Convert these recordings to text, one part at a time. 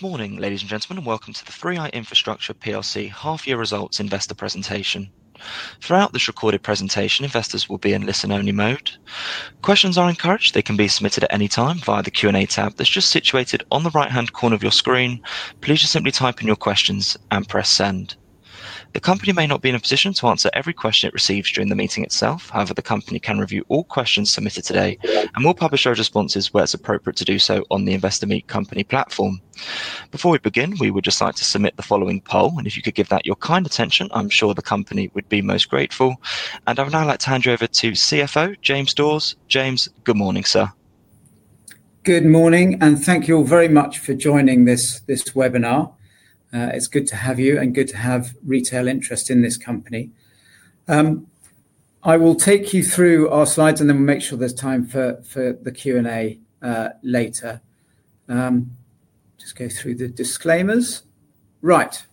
Good morning, ladies and gentlemen, and welcome to the 3i Infrastructure half-year results investor presentation. Throughout this recorded presentation, investors will be in listen-only mode. Questions are encouraged; they can be submitted at any time via the Q&A tab that's just situated on the right-hand corner of your screen. Please just simply type in your questions and press send. The company may not be in a position to answer every question it receives during the meeting itself. However, the company can review all questions submitted today and will publish those responses where it's appropriate to do so on the Investor Meet Company platform. Before we begin, we would just like to submit the following poll, and if you could give that your kind attention, I'm sure the company would be most grateful. I would now like to hand you over to CFO James Dawes. James, good morning, sir. Good morning, and thank you all very much for joining this webinar. It's good to have you and good to have retail interest in this company. I will take you through our slides, and then we'll make sure there's time for the Q&A later. Just go through the disclaimers. Right,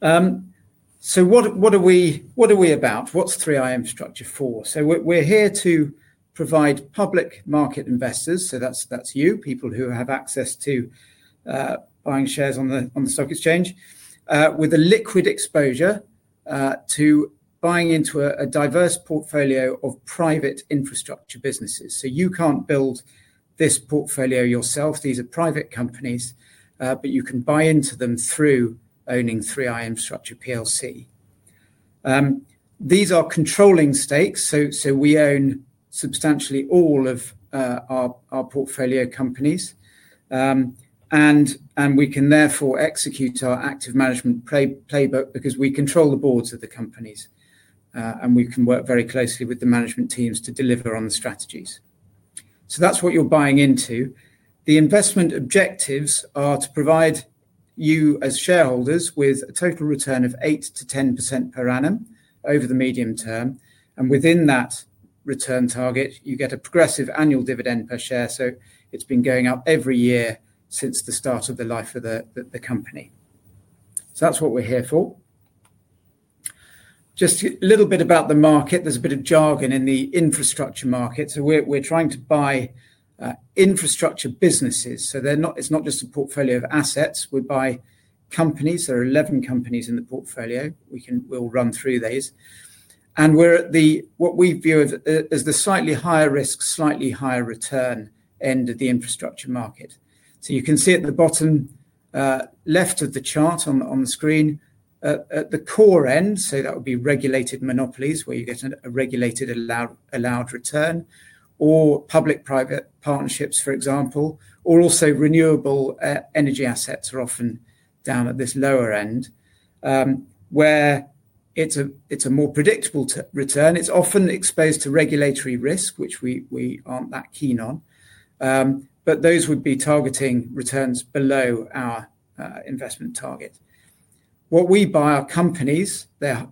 what are we about? What's 3i Infrastructure for? We're here to provide public market investors, that's you, people who have access to buying shares on the stock exchange, with a liquid exposure to buying into a diverse portfolio of private infrastructure businesses. You can't build this portfolio yourself. These are private companies, but you can buy into them through owning 3i Infrastructure PLC. These are controlling stakes, so we own substantially all of our portfolio companies, and we can therefore execute our active management playbook because we control the boards of the companies, and we can work very closely with the management teams to deliver on the strategies. That is what you are buying into. The investment objectives are to provide you as shareholders with a total return of 8%-10% per annum over the medium term, and within that return target, you get a progressive annual dividend per share. It has been going up every year since the start of the life of the company. That is what we are here for. Just a little bit about the market, there is a bit of jargon in the infrastructure market. We are trying to buy infrastructure businesses, so it is not just a portfolio of assets. We buy companies; there are 11 companies in the portfolio. We'll run through these. We are at what we view as the slightly higher risk, slightly higher return end of the infrastructure market. You can see at the bottom left of the chart on the screen, at the core end, that would be regulated monopolies where you get a regulated allowed return or public-private partnerships, for example, or also renewable energy assets are often down at this lower end where it's a more predictable return. It's often exposed to regulatory risk, which we aren't that keen on, but those would be targeting returns below our investment target. What we buy are companies. They're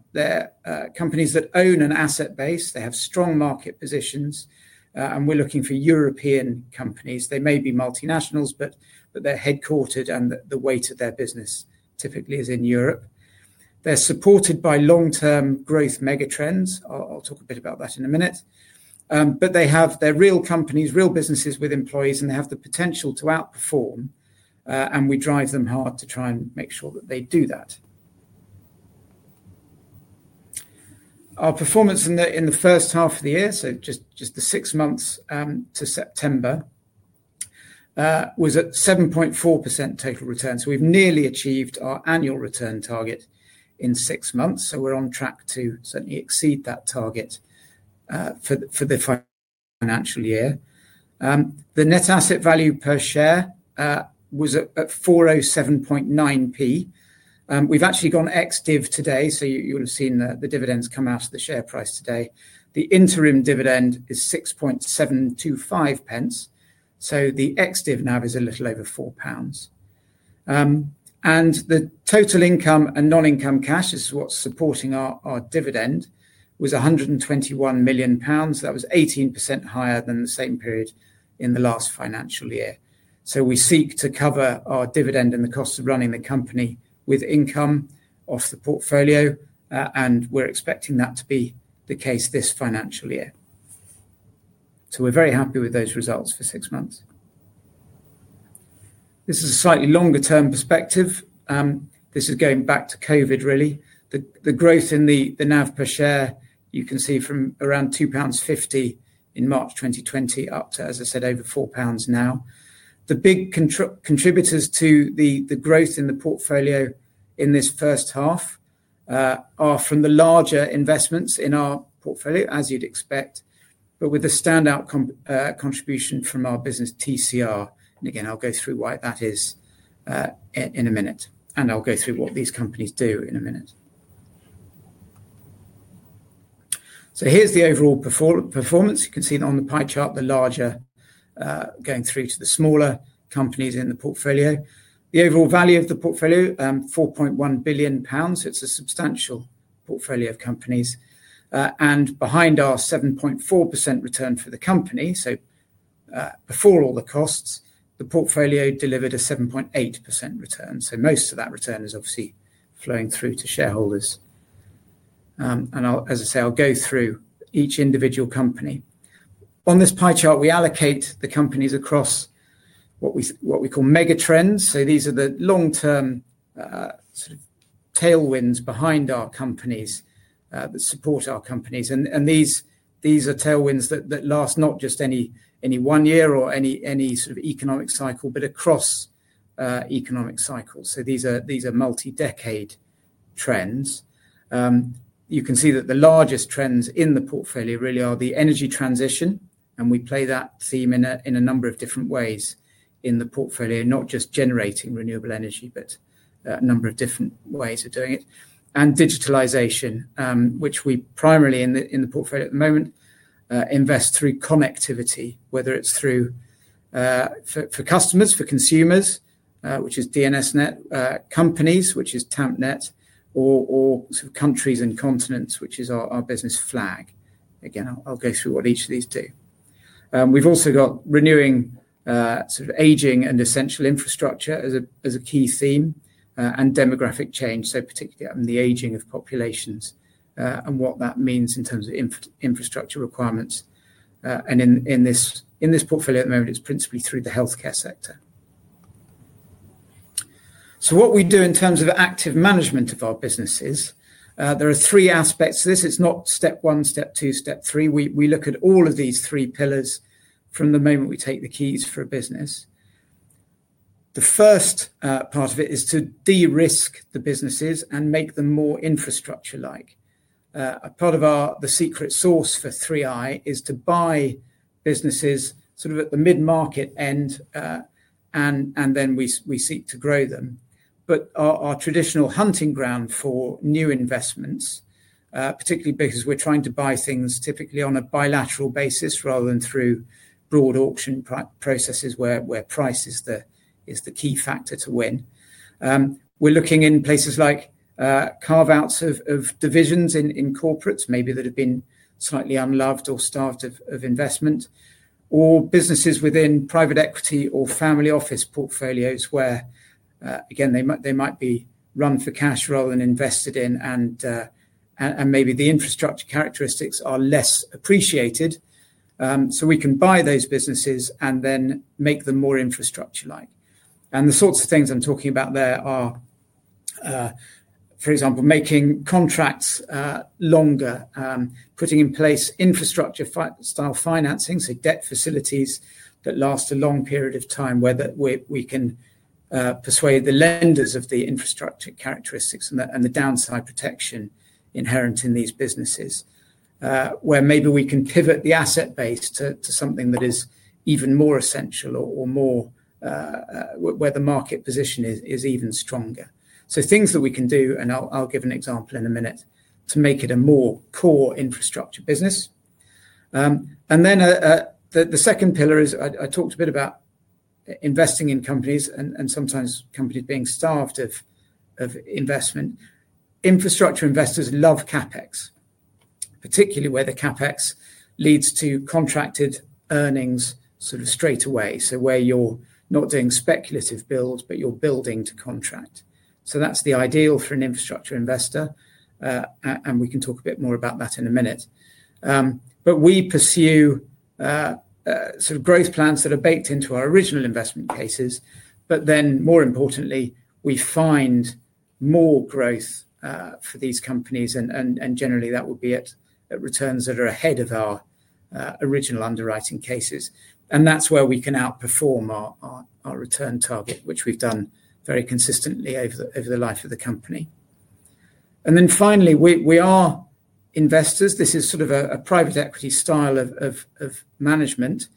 companies that own an asset base. They have strong market positions, and we're looking for European companies. They may be multinationals, but they're headquartered, and the weight of their business typically is in Europe. They're supported by long-term growth megatrends. I'll talk a bit about that in a minute. They're real companies, real businesses with employees, and they have the potential to outperform, and we drive them hard to try and make sure that they do that. Our performance in the first half of the year, just the six months to September, was at 7.4% total return. We've nearly achieved our annual return target in six months, so we're on track to certainly exceed that target for the financial year. The net asset value per share was at 407.9. We've actually gone ex-div today, so you'll have seen the dividends come out of the share price today. The interim dividend is 6.725, so the ex-div now is a little over 4 pounds. The total income and non-income cash, this is what's supporting our dividend, was 121 million pounds. That was 18% higher than the same period in the last financial year. We seek to cover our dividend and the cost of running the company with income off the portfolio, and we're expecting that to be the case this financial year. We are very happy with those results for six months. This is a slightly longer-term perspective. This is going back to COVID, really. The growth in the NAV per share, you can see from around 2.50 pounds in March 2020 up to, as I said, over 4 pounds now. The big contributors to the growth in the portfolio in this first half are from the larger investments in our portfolio, as you'd expect, but with a standout contribution from our business, TCR. Again, I'll go through why that is in a minute, and I'll go through what these companies do in a minute. Here is the overall performance. You can see on the pie chart the larger going through to the smaller companies in the portfolio. The overall value of the portfolio, 4.1 billion pounds. It is a substantial portfolio of companies. Behind our 7.4% return for the company, before all the costs, the portfolio delivered a 7.8% return. Most of that return is obviously flowing through to shareholders. As I say, I'll go through each individual company. On this pie chart, we allocate the companies across what we call megatrends. These are the long-term sort of tailwinds behind our companies that support our companies. These are tailwinds that last not just any one year or any sort of economic cycle, but across economic cycles. These are multi-decade trends. You can see that the largest trends in the portfolio really are the energy transition, and we play that theme in a number of different ways in the portfolio, not just generating renewable energy, but a number of different ways of doing it. Digitalization, which we primarily in the portfolio at the moment invest through connectivity, whether it's for customers, for consumers, which is DNSNet, companies, which is TampNet, or sort of countries and continents, which is our business Flag. Again, I'll go through what each of these do. We've also got renewing, sort of aging and essential infrastructure as a key theme, and demographic change, so particularly the aging of populations and what that means in terms of infrastructure requirements. In this portfolio at the moment, it's principally through the healthcare sector. What we do in terms of active management of our businesses, there are three aspects to this. It's not step one, step two, step three. We look at all of these three pillars from the moment we take the keys for a business. The first part of it is to de-risk the businesses and make them more infrastructure-like. A part of the secret sauce for 3i is to buy businesses sort of at the mid-market end, and then we seek to grow them. Our traditional hunting ground for new investments, particularly because we're trying to buy things typically on a bilateral basis rather than through broad auction processes where price is the key factor to win, we're looking in places like carve-outs of divisions in corporates maybe that have been slightly unloved or starved of investment, or businesses within private equity or family office portfolios where, again, they might be run for cash rather than invested in, and maybe the infrastructure characteristics are less appreciated. We can buy those businesses and then make them more infrastructure-like. The sorts of things I'm talking about there are, for example, making contracts longer, putting in place infrastructure-style financing, so debt facilities that last a long period of time where we can persuade the lenders of the infrastructure characteristics and the downside protection inherent in these businesses, where maybe we can pivot the asset base to something that is even more essential or where the market position is even stronger. Things that we can do, and I'll give an example in a minute, to make it a more core infrastructure business. The second pillar is I talked a bit about investing in companies and sometimes companies being starved of investment. Infrastructure investors love CapEx, particularly where the CapEx leads to contracted earnings sort of straight away, so where you're not doing speculative builds, but you're building to contract. That is the ideal for an infrastructure investor, and we can talk a bit more about that in a minute. We pursue sort of growth plans that are baked into our original investment cases, but then more importantly, we find more growth for these companies, and generally that would be at returns that are ahead of our original underwriting cases. That is where we can outperform our return target, which we have done very consistently over the life of the company. Finally, we are investors. This is sort of a private equity style of management.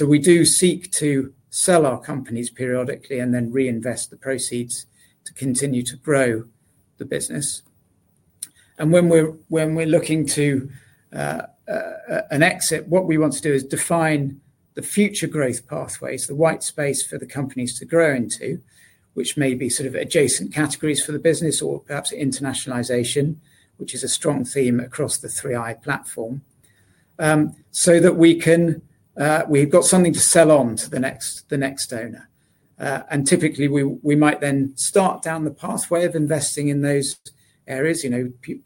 We do seek to sell our companies periodically and then reinvest the proceeds to continue to grow the business. When we're looking to an exit, what we want to do is define the future growth pathways, the white space for the companies to grow into, which may be sort of adjacent categories for the business or perhaps internationalization, which is a strong theme across the 3i platform, so that we've got something to sell on to the next owner. Typically, we might then start down the pathway of investing in those areas,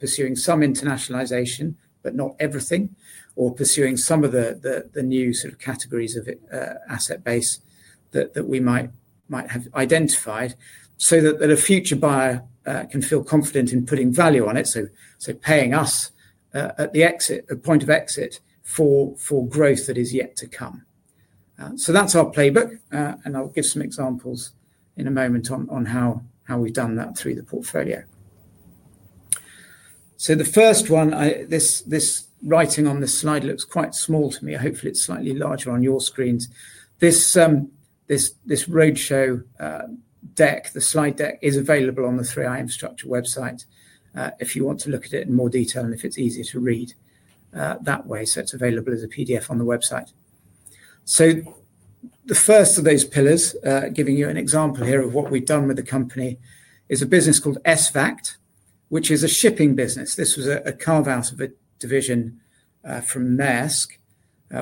pursuing some internationalization, but not everything, or pursuing some of the new sort of categories of asset base that we might have identified so that a future buyer can feel confident in putting value on it, paying us at the point of exit for growth that is yet to come. That's our playbook, and I'll give some examples in a moment on how we've done that through the portfolio. The first one, this writing on the slide looks quite small to me. Hopefully, it's slightly larger on your screens. This roadshow deck, the slide deck, is available on the 3i Infrastructure website if you want to look at it in more detail and if it's easier to read that way. It's available as a PDF on the website. The first of those pillars, giving you an example here of what we've done with the company, is a business called SVACT, which is a shipping business. This was a carve-out of a division from Maersk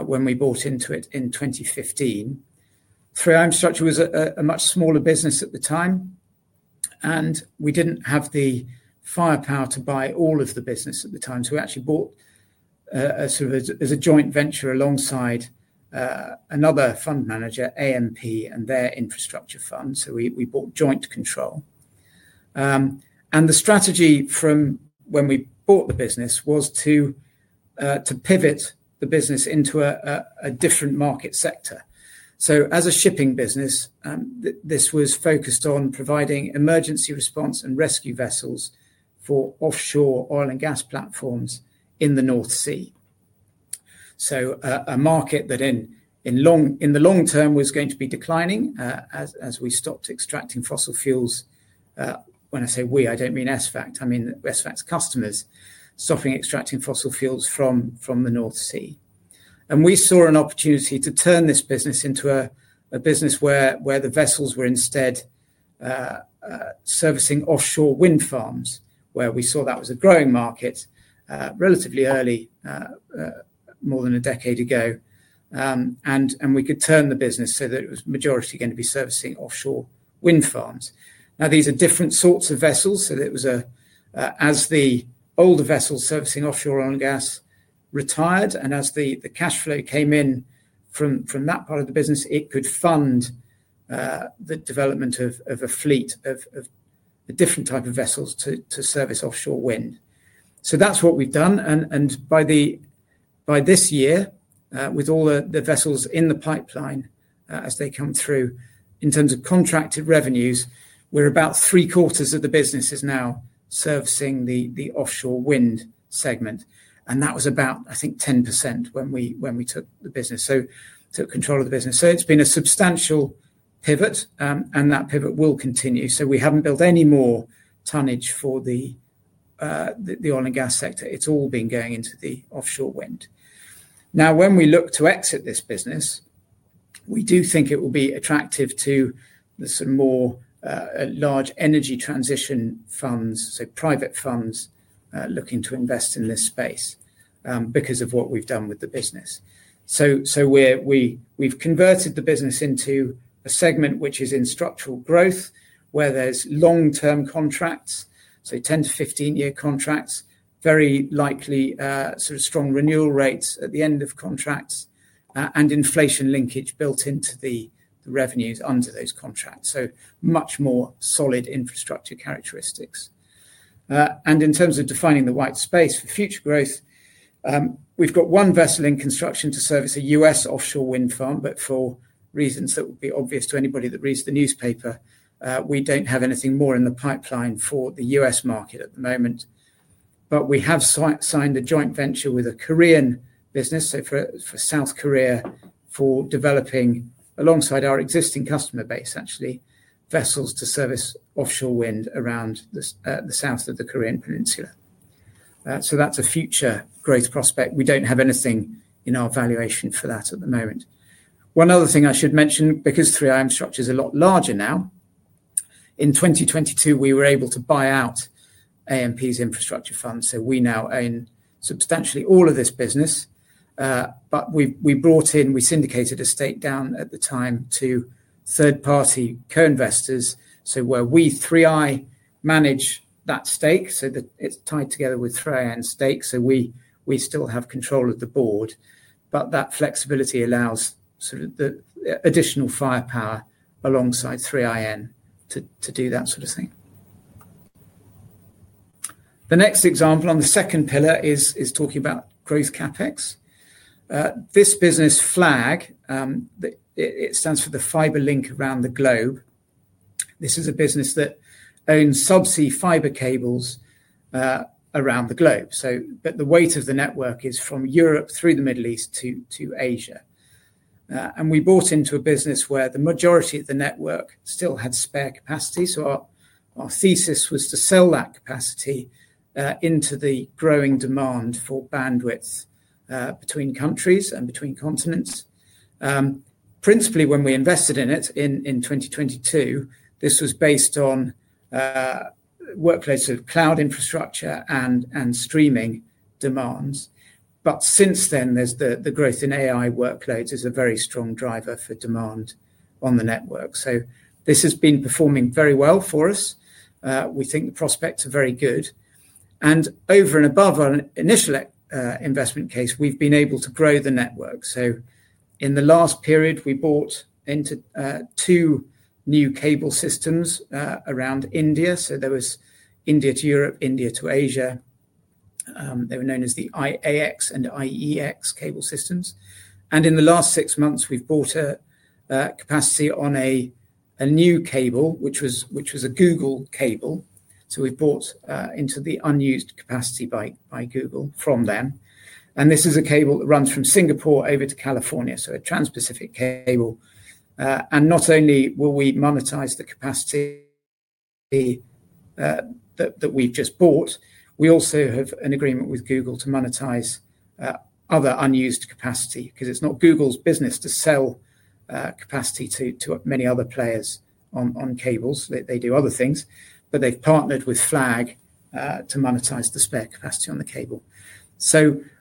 when we bought into it in 2015. 3i Infrastructure was a much smaller business at the time, and we didn't have the firepower to buy all of the business at the time. We actually bought sort of as a joint venture alongside another fund manager, AMP, and their infrastructure fund. We bought joint control. The strategy from when we bought the business was to pivot the business into a different market sector. As a shipping business, this was focused on providing emergency response and rescue vessels for offshore oil and gas platforms in the North Sea, a market that in the long term was going to be declining as we stopped extracting fossil fuels. When I say we, I do not mean SVACT. I mean SVACT's customers stopping extracting fossil fuels from the North Sea. We saw an opportunity to turn this business into a business where the vessels were instead servicing offshore wind farms, where we saw that was a growing market relatively early, more than a decade ago. We could turn the business so that it was majority going to be servicing offshore wind farms. Now, these are different sorts of vessels. It was as the older vessels servicing offshore oil and gas retired, and as the cash flow came in from that part of the business, it could fund the development of a fleet of a different type of vessels to service offshore wind. That is what we have done. By this year, with all the vessels in the pipeline as they come through, in terms of contracted revenues, we are about three-quarters of the business now servicing the offshore wind segment. That was about, I think, 10% when we took the business, so took control of the business. It has been a substantial pivot, and that pivot will continue. We have not built any more tonnage for the oil and gas sector. It has all been going into the offshore wind. Now, when we look to exit this business, we do think it will be attractive to the sort of more large energy transition funds, private funds looking to invest in this space because of what we've done with the business. We've converted the business into a segment which is in structural growth, where there's long-term contracts, 10-15 year contracts, very likely sort of strong renewal rates at the end of contracts, and inflation linkage built into the revenues under those contracts. Much more solid infrastructure characteristics. In terms of defining the white space for future growth, we've got one vessel in construction to service a U.S. offshore wind farm, but for reasons that would be obvious to anybody that reads the newspaper, we don't have anything more in the pipeline for the U.S. market at the moment. We have signed a joint venture with a Korean business, for South Korea, for developing, alongside our existing customer base, actually, vessels to service offshore wind around the south of the Korean Peninsula. That is a future growth prospect. We do not have anything in our valuation for that at the moment. One other thing I should mention, because 3i Infrastructure is a lot larger now, in 2022, we were able to buy out AMP's infrastructure fund. We now own substantially all of this business. We brought in, we syndicated a stake down at the time to third-party co-investors. Where we, 3i, manage that stake, it is tied together with 3iN stakes, so we still have control of the board. That flexibility allows sort of the additional firepower alongside 3iN to do that sort of thing. The next example on the second pillar is talking about growth CapEx. This business Flag, it stands for the Fiber Link Around the Globe. This is a business that owns subsea fiber cables around the globe. The weight of the network is from Europe through the Middle East to Asia. We bought into a business where the majority of the network still had spare capacity. Our thesis was to sell that capacity into the growing demand for bandwidth between countries and between continents. Principally, when we invested in it in 2022, this was based on workloads of cloud infrastructure and streaming demands. Since then, the growth in AI workloads is a very strong driver for demand on the network. This has been performing very well for us. We think the prospects are very good. Over and above our initial investment case, we've been able to grow the network. In the last period, we bought into two new cable systems around India. There was India to Europe, India to Asia. They were known as the IAX and IEX cable systems. In the last six months, we've bought capacity on a new cable, which was a Google cable. We've bought into the unused capacity by Google from them. This is a cable that runs from Singapore over to California, a Trans-Pacific cable. Not only will we monetize the capacity that we've just bought, we also have an agreement with Google to monetize other unused capacity because it's not Google's business to sell capacity to many other players on cables. They do other things, but they've partnered with Flag to monetize the spare capacity on the cable.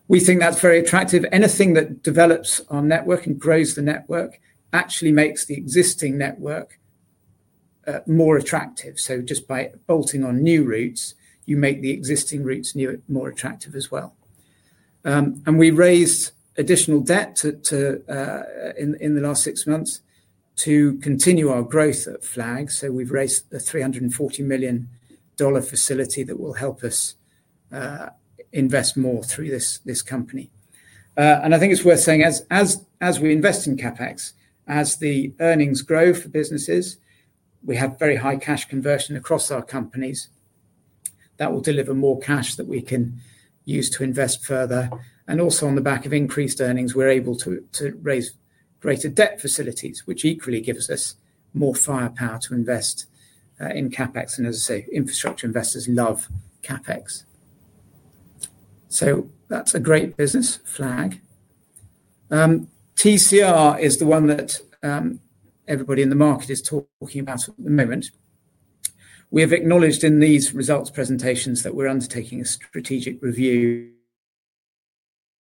We think that's very attractive. Anything that develops our network and grows the network actually makes the existing network more attractive. Just by bolting on new routes, you make the existing routes more attractive as well. We raised additional debt in the last six months to continue our growth at Flag. We have raised a $340 million facility that will help us invest more through this company. I think it's worth saying, as we invest in CapEx, as the earnings grow for businesses, we have very high cash conversion across our companies that will deliver more cash that we can use to invest further. Also, on the back of increased earnings, we're able to raise greater debt facilities, which equally gives us more firepower to invest in CapEx. As I say, infrastructure investors love CapEx. That's a great business, Flag. TCR is the one that everybody in the market is talking about at the moment. We have acknowledged in these results presentations that we are undertaking a strategic review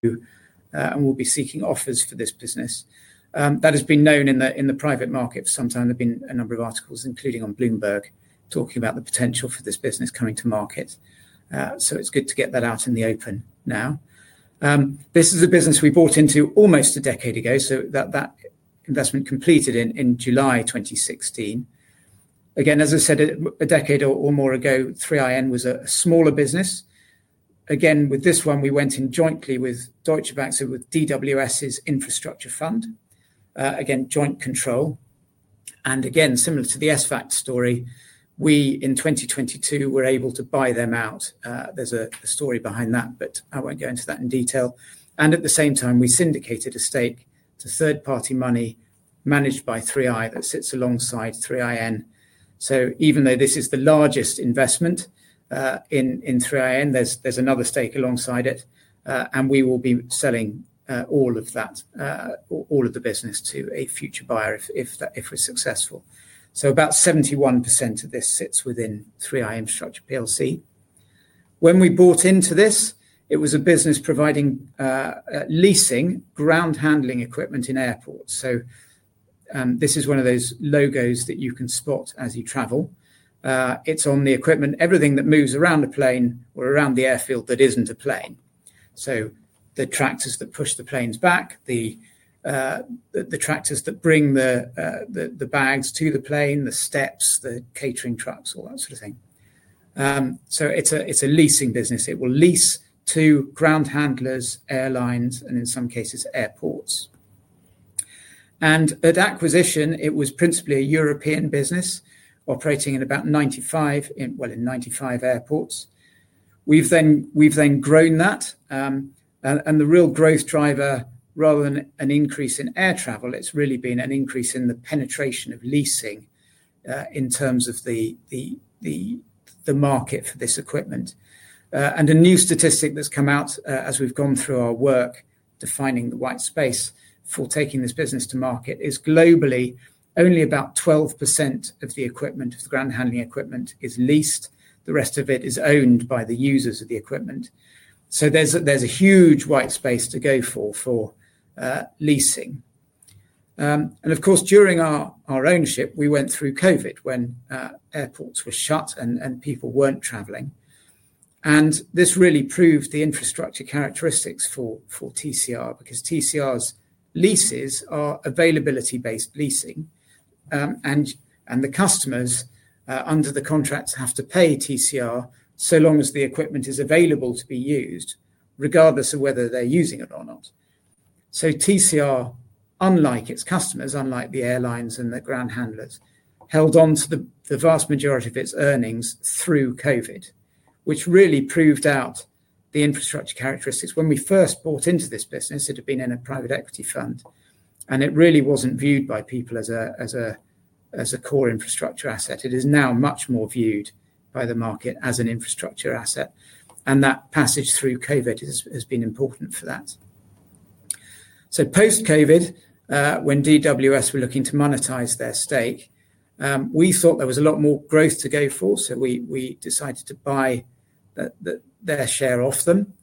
and will be seeking offers for this business. That has been known in the private market for some time. There have been a number of articles, including on Bloomberg, talking about the potential for this business coming to market. It is good to get that out in the open now. This is a business we bought into almost a decade ago, so that investment completed in July 2016. Again, as I said, a decade or more ago, 3iN was a smaller business. With this one, we went in jointly with Deutsche Bank, with DWS's infrastructure fund, joint control. Similar to the SVACT story, we in 2022 were able to buy them out. There's a story behind that, but I won't go into that in detail. At the same time, we syndicated a stake to third-party money managed by 3i that sits alongside 3iN. Even though this is the largest investment in 3iN, there's another stake alongside it, and we will be selling all of that, all of the business to a future buyer if we're successful. About 71% of this sits within 3i Infrastructure PLC. When we bought into this, it was a business providing leasing ground handling equipment in airports. This is one of those logos that you can spot as you travel. It's on the equipment, everything that moves around a plane or around the airfield that isn't a plane. The tractors that push the planes back, the tractors that bring the bags to the plane, the steps, the catering trucks, all that sort of thing. It is a leasing business. It will lease to ground handlers, airlines, and in some cases, airports. At acquisition, it was principally a European business operating in 95 airports. We have then grown that. The real growth driver, rather than an increase in air travel, has really been an increase in the penetration of leasing in terms of the market for this equipment. A new statistic that has come out as we have gone through our work defining the white space for taking this business to market is globally only about 12% of the equipment, of the ground handling equipment, is leased. The rest of it is owned by the users of the equipment. There is a huge white space to go for leasing. Of course, during our ownership, we went through COVID when airports were shut and people were not traveling. This really proved the infrastructure characteristics for TCR because TCR's leases are availability-based leasing. The customers under the contracts have to pay TCR so long as the equipment is available to be used, regardless of whether they are using it or not. TCR, unlike its customers, unlike the airlines and the ground handlers, held on to the vast majority of its earnings through COVID, which really proved out the infrastructure characteristics. When we first bought into this business, it had been in a private equity fund. It really was not viewed by people as a core infrastructure asset. It is now much more viewed by the market as an infrastructure asset. That passage through COVID has been important for that. Post-COVID, when DWS were looking to monetize their stake, we thought there was a lot more growth to go for. We decided to buy their share off them.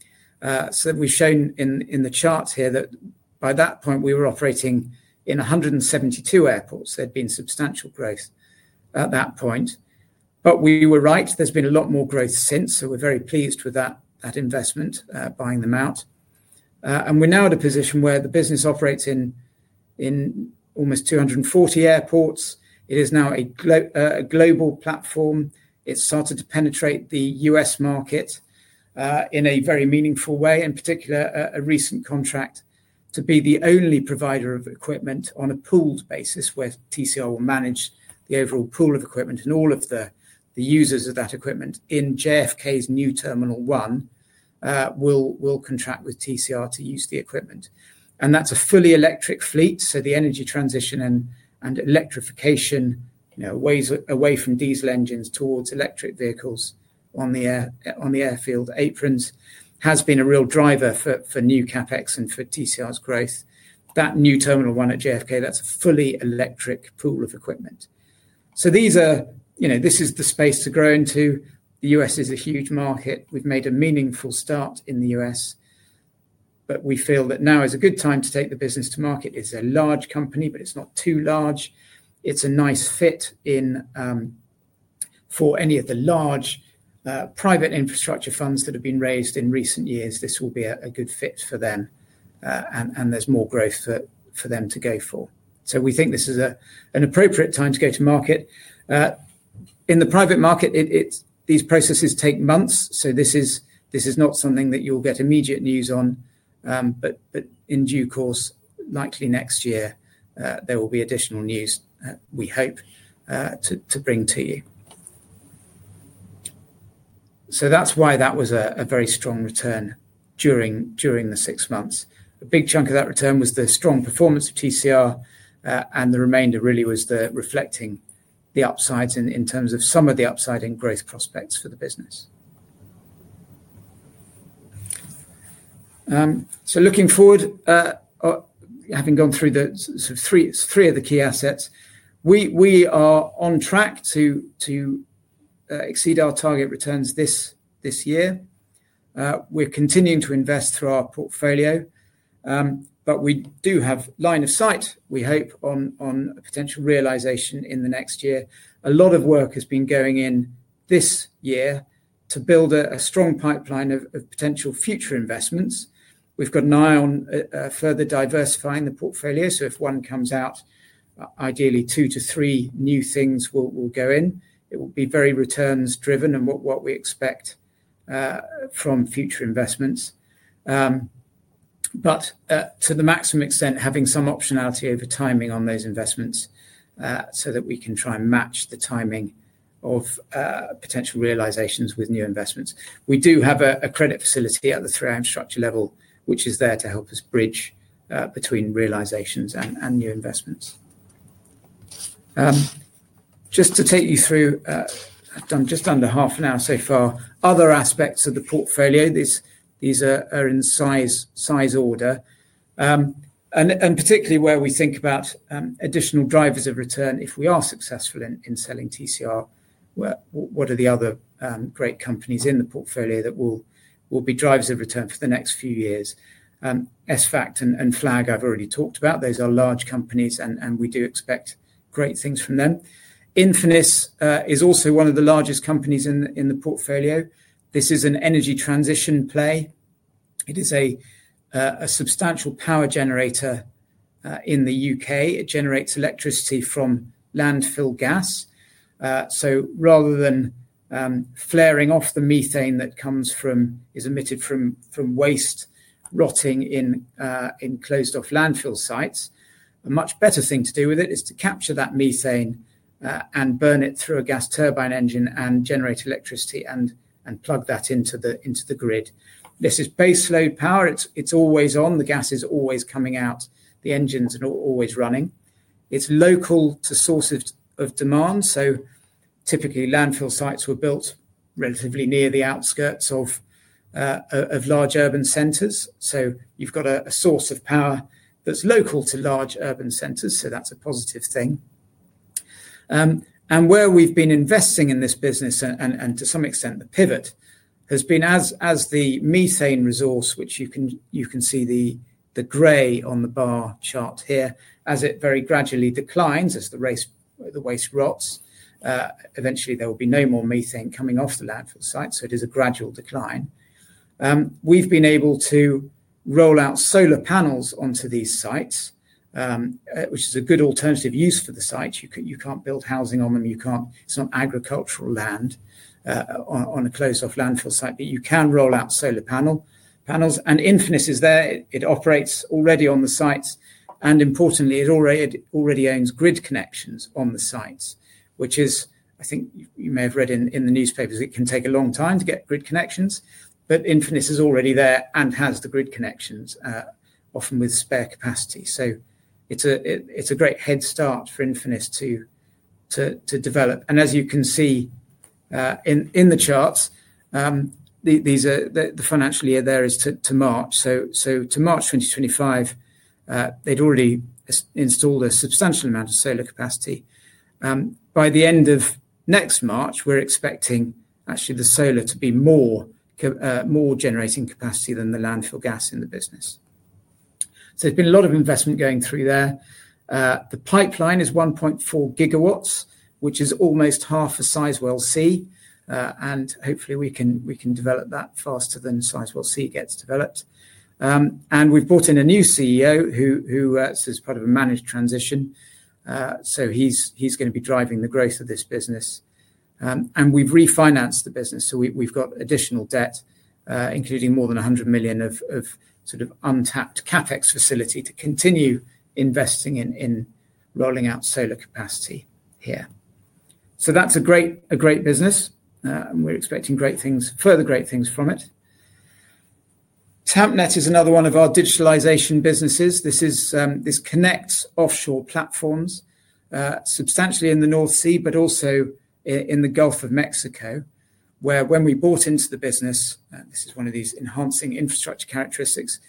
We have shown in the chart here that by that point, we were operating in 172 airports. There had been substantial growth at that point. We were right. There has been a lot more growth since. We are very pleased with that investment, buying them out. We are now at a position where the business operates in almost 240 airports. It is now a global platform. It started to penetrate the US market in a very meaningful way, in particular, a recent contract to be the only provider of equipment on a pooled basis where TCR will manage the overall pool of equipment and all of the users of that equipment in JFK's new Terminal 1 will contract with TCR to use the equipment. That is a fully electric fleet. The energy transition and electrification away from diesel engines towards electric vehicles on the airfield aprons has been a real driver for new CapEx and for TCR's growth. That new Terminal 1 at JFK is a fully electric pool of equipment. This is the space to grow into. The US is a huge market. We have made a meaningful start in the US. We feel that now is a good time to take the business to market. It's a large company, but it's not too large. It's a nice fit for any of the large private infrastructure funds that have been raised in recent years. This will be a good fit for them. There is more growth for them to go for. We think this is an appropriate time to go to market. In the private market, these processes take months. This is not something that you'll get immediate news on. In due course, likely next year, there will be additional news, we hope, to bring to you. That was a very strong return during the six months. A big chunk of that return was the strong performance of TCR. The remainder really was reflecting the upsides in terms of some of the upside in growth prospects for the business. Looking forward, having gone through three of the key assets, we are on track to exceed our target returns this year. We're continuing to invest through our portfolio. We do have line of sight, we hope, on potential realization in the next year. A lot of work has been going in this year to build a strong pipeline of potential future investments. We've got an eye on further diversifying the portfolio. If one comes out, ideally two to three new things will go in. It will be very returns-driven and what we expect from future investments. To the maximum extent, having some optionality over timing on those investments so that we can try and match the timing of potential realizations with new investments. We do have a credit facility at the 3i Infrastructure level, which is there to help us bridge between realizations and new investments. Just to take you through, I've done just under half an hour so far. Other aspects of the portfolio, these are in size order. Particularly where we think about additional drivers of return, if we are successful in selling TCR, what are the other great companies in the portfolio that will be drivers of return for the next few years? SVACT and Flag I've already talked about. Those are large companies, and we do expect great things from them. Infinex is also one of the largest companies in the portfolio. This is an energy transition play. It is a substantial power generator in the U.K. It generates electricity from landfill gas. Rather than flaring off the methane that is emitted from waste rotting in closed-off landfill sites, a much better thing to do with it is to capture that methane and burn it through a gas turbine engine and generate electricity and plug that into the grid. This is base load power. It's always on. The gas is always coming out. The engines are always running. It's local to source of demand. Typically, landfill sites were built relatively near the outskirts of large urban centers. You've got a source of power that's local to large urban centers. That's a positive thing. Where we've been investing in this business, and to some extent the pivot, has been as the methane resource, which you can see the gray on the bar chart here, as it very gradually declines, as the waste rots, eventually there will be no more methane coming off the landfill site. It is a gradual decline. We've been able to roll out solar panels onto these sites, which is a good alternative use for the site. You can't build housing on them. It's not agricultural land on a closed-off landfill site, but you can roll out solar panels. Infinex is there. It operates already on the sites. Importantly, it already owns grid connections on the sites, which is, I think you may have read in the newspapers, it can take a long time to get grid connections. Infinex is already there and has the grid connections, often with spare capacity. It is a great head start for Infinex to develop. As you can see in the charts, the financial year there is to March. To March 2025, they had already installed a substantial amount of solar capacity. By the end of next March, we are expecting actually the solar to be more generating capacity than the landfill gas in the business. There has been a lot of investment going through there. The pipeline is 1.4 GW, which is almost half the size we will see. Hopefully, we can develop that faster than size we will see gets developed. We have brought in a new CEO who is part of a managed transition. He is going to be driving the growth of this business. We have refinanced the business. We have additional debt, including more than 100 million of sort of untapped CapEx facility to continue investing in rolling out solar capacity here. That is a great business. We are expecting further great things from it. TampNet is another one of our digitalization businesses. This connects offshore platforms substantially in the North Sea, but also in the Gulf of Mexico, where when we bought into the business, this is one of these enhancing infrastructure characteristics,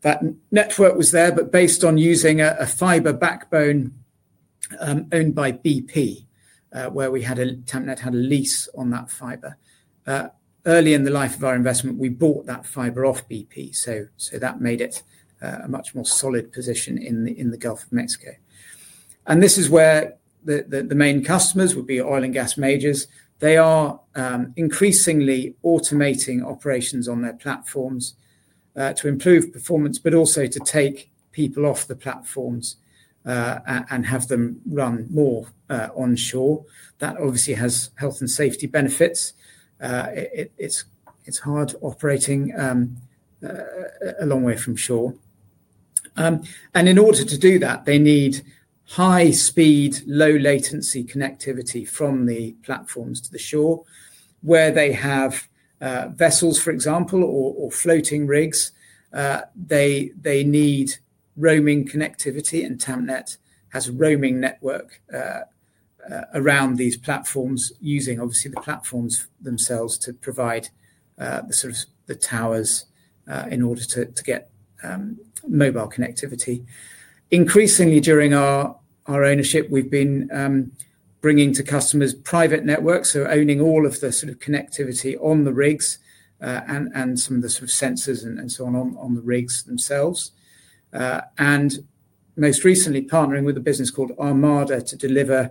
that network was there, but based on using a fiber backbone owned by BP, where TampNet had a lease on that fiber. Early in the life of our investment, we bought that fiber off BP. That made it a much more solid position in the Gulf of Mexico. This is where the main customers would be oil and gas majors. They are increasingly automating operations on their platforms to improve performance, but also to take people off the platforms and have them run more onshore. That obviously has health and safety benefits. It's hard operating a long way from shore. In order to do that, they need high-speed, low-latency connectivity from the platforms to the shore, where they have vessels, for example, or floating rigs. They need roaming connectivity. TampNet has a roaming network around these platforms using, obviously, the platforms themselves to provide the sort of towers in order to get mobile connectivity. Increasingly, during our ownership, we've been bringing to customers private networks. So owning all of the sort of connectivity on the rigs and some of the sort of sensors and so on on the rigs themselves. Most recently, partnering with a business called Armada to deliver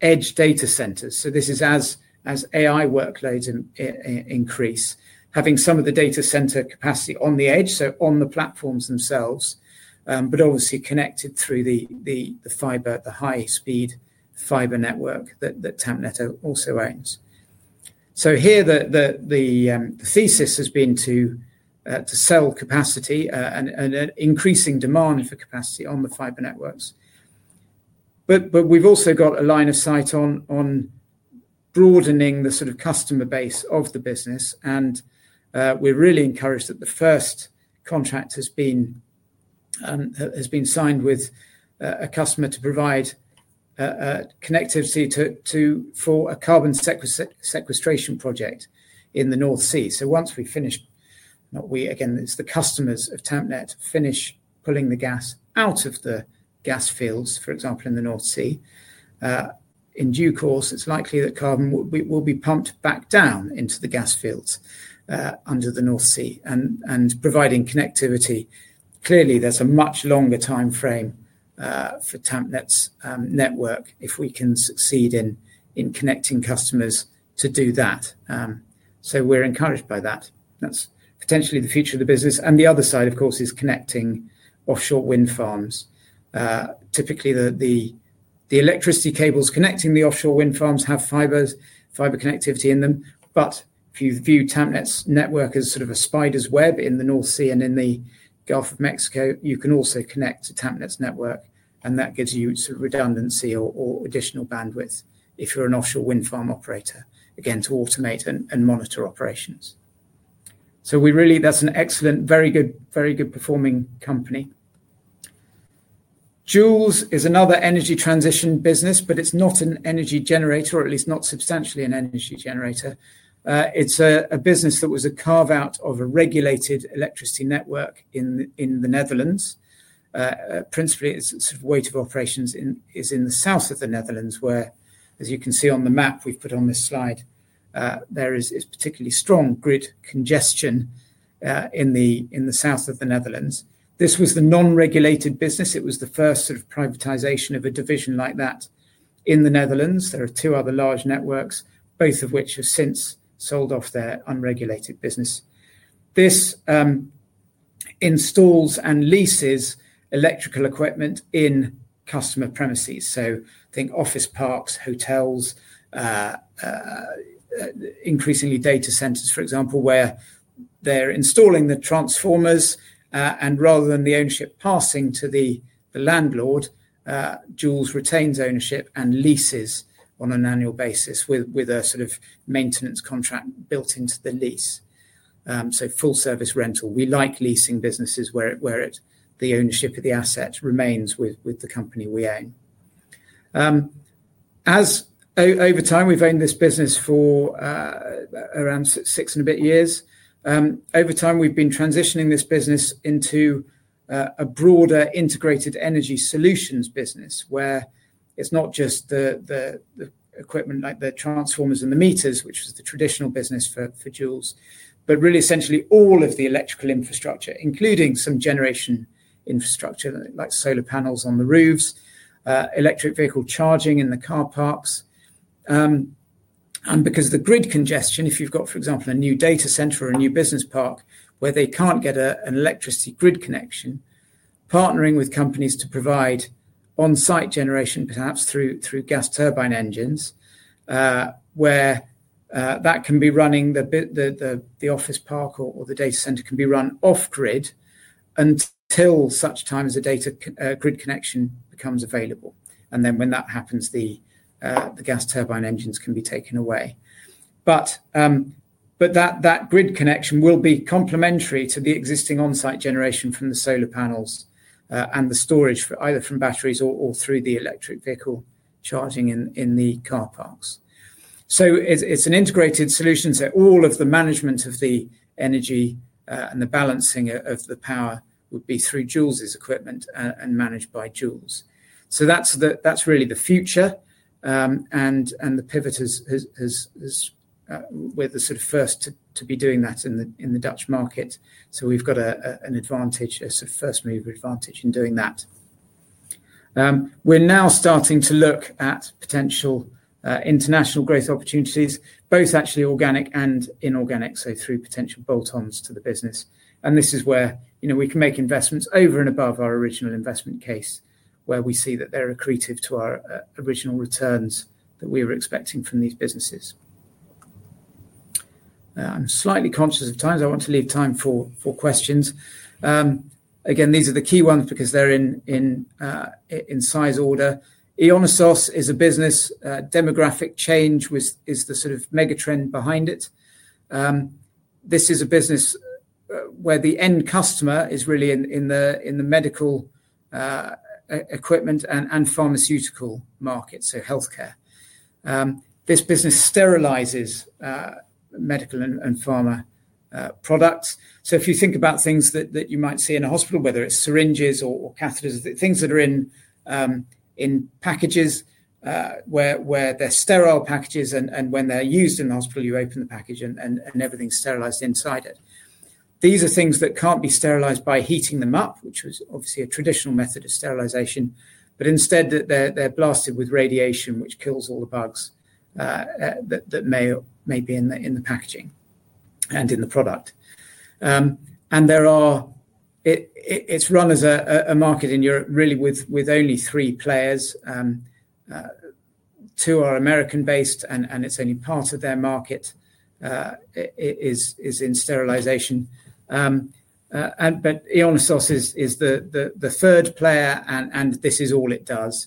edge data centers. As AI workloads increase, having some of the data center capacity on the edge, so on the platforms themselves, but obviously connected through the fiber, the high-speed fiber network that TampNet also owns. Here, the thesis has been to sell capacity and increasing demand for capacity on the fiber networks. We have also got a line of sight on broadening the sort of customer base of the business. We are really encouraged that the first contract has been signed with a customer to provide connectivity for a carbon sequestration project in the North Sea. Once we finish, again, it is the customers of TampNet finish pulling the gas out of the gas fields, for example, in the North Sea. In due course, it is likely that carbon will be pumped back down into the gas fields under the North Sea and providing connectivity. Clearly, there is a much longer time frame for TampNet's network if we can succeed in connecting customers to do that. We are encouraged by that. That is potentially the future of the business. The other side, of course, is connecting offshore wind farms. Typically, the electricity cables connecting the offshore wind farms have fiber connectivity in them. If you view TampNet's network as sort of a spider's web in the North Sea and in the Gulf of Mexico, you can also connect to TampNet's network. That gives you sort of redundancy or additional bandwidth if you are an offshore wind farm operator, again, to automate and monitor operations. That is an excellent, very good performing company. Jules is another energy transition business, but it is not an energy generator, or at least not substantially an energy generator. It's a business that was a carve-out of a regulated electricity network in the Netherlands. Principally, its sort of weight of operations is in the south of the Netherlands, where, as you can see on the map we've put on this slide, there is particularly strong grid congestion in the south of the Netherlands. This was the non-regulated business. It was the first sort of privatization of a division like that in the Netherlands. There are two other large networks, both of which have since sold off their unregulated business. This installs and leases electrical equipment in customer premises. I think office parks, hotels, increasingly data centers, for example, where they're installing the transformers. Rather than the ownership passing to the landlord, Jules retains ownership and leases on an annual basis with a sort of maintenance contract built into the lease. Full-service rental. We like leasing businesses where the ownership of the asset remains with the company we own. Over time, we've owned this business for around six and a bit years. Over time, we've been transitioning this business into a broader integrated energy solutions business, where it's not just the equipment like the transformers and the meters, which was the traditional business for Jules, but really, essentially, all of the electrical infrastructure, including some generation infrastructure like solar panels on the roofs, electric vehicle charging in the car parks. Because of the grid congestion, if you've got, for example, a new data center or a new business park where they can't get an electricity grid connection, partnering with companies to provide on-site generation, perhaps through gas turbine engines, where that can be running, the office park or the data center can be run off-grid until such time as a data grid connection becomes available. When that happens, the gas turbine engines can be taken away. That grid connection will be complementary to the existing on-site generation from the solar panels and the storage, either from batteries or through the electric vehicle charging in the car parks. It is an integrated solution. All of the management of the energy and the balancing of the power would be through Jules's equipment and managed by Jules. That is really the future. The pivot has with the sort of first to be doing that in the Dutch market. We have got an advantage, a sort of first-mover advantage in doing that. We are now starting to look at potential international growth opportunities, both actually organic and inorganic, through potential bolt-ons to the business. This is where we can make investments over and above our original investment case, where we see that they are accretive to our original returns that we were expecting from these businesses. I am slightly conscious of time. I want to leave time for questions. These are the key ones because they are in size order. Ionisos is a business. Demographic change is the sort of megatrend behind it. This is a business where the end customer is really in the medical equipment and pharmaceutical market, so healthcare. This business sterilizes medical and pharma products. If you think about things that you might see in a hospital, whether it's syringes or catheters, things that are in packages where they're sterile packages. When they're used in the hospital, you open the package and everything's sterilized inside it. These are things that can't be sterilized by heating them up, which was obviously a traditional method of sterilization. Instead, they're blasted with radiation, which kills all the bugs that may be in the packaging and in the product. It's run as a market in Europe, really, with only three players. Two are American-based, and only part of their market is in sterilization. Ionisos is the third player, and this is all it does.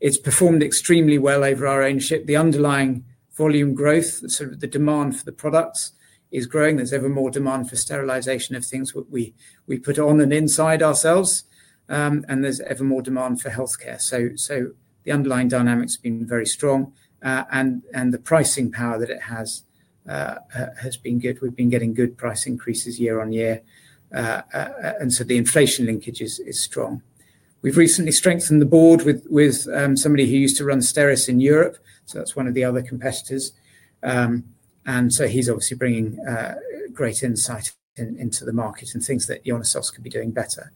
It's performed extremely well over our ownership. The underlying volume growth, sort of the demand for the products, is growing. is ever more demand for sterilization of things we put on and inside ourselves. There is ever more demand for healthcare. The underlying dynamics have been very strong. The pricing power that it has has been good. We have been getting good price increases year on year. The inflation linkage is strong. We have recently strengthened the board with somebody who used to run Steris in Europe. That is one of the other competitors. He is obviously bringing great insight into the market and things that Ionisos could be doing better.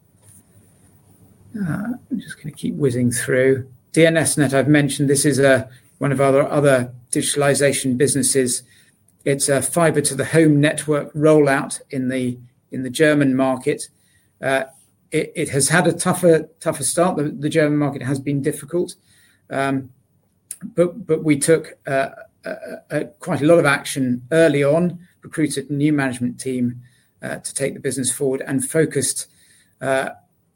I am just going to keep whizzing through. DNSNet, I have mentioned. This is one of our other digitalization businesses. It is a fiber-to-the-home network rollout in the German market. It has had a tougher start. The German market has been difficult. We took quite a lot of action early on, recruited a new management team to take the business forward, and focused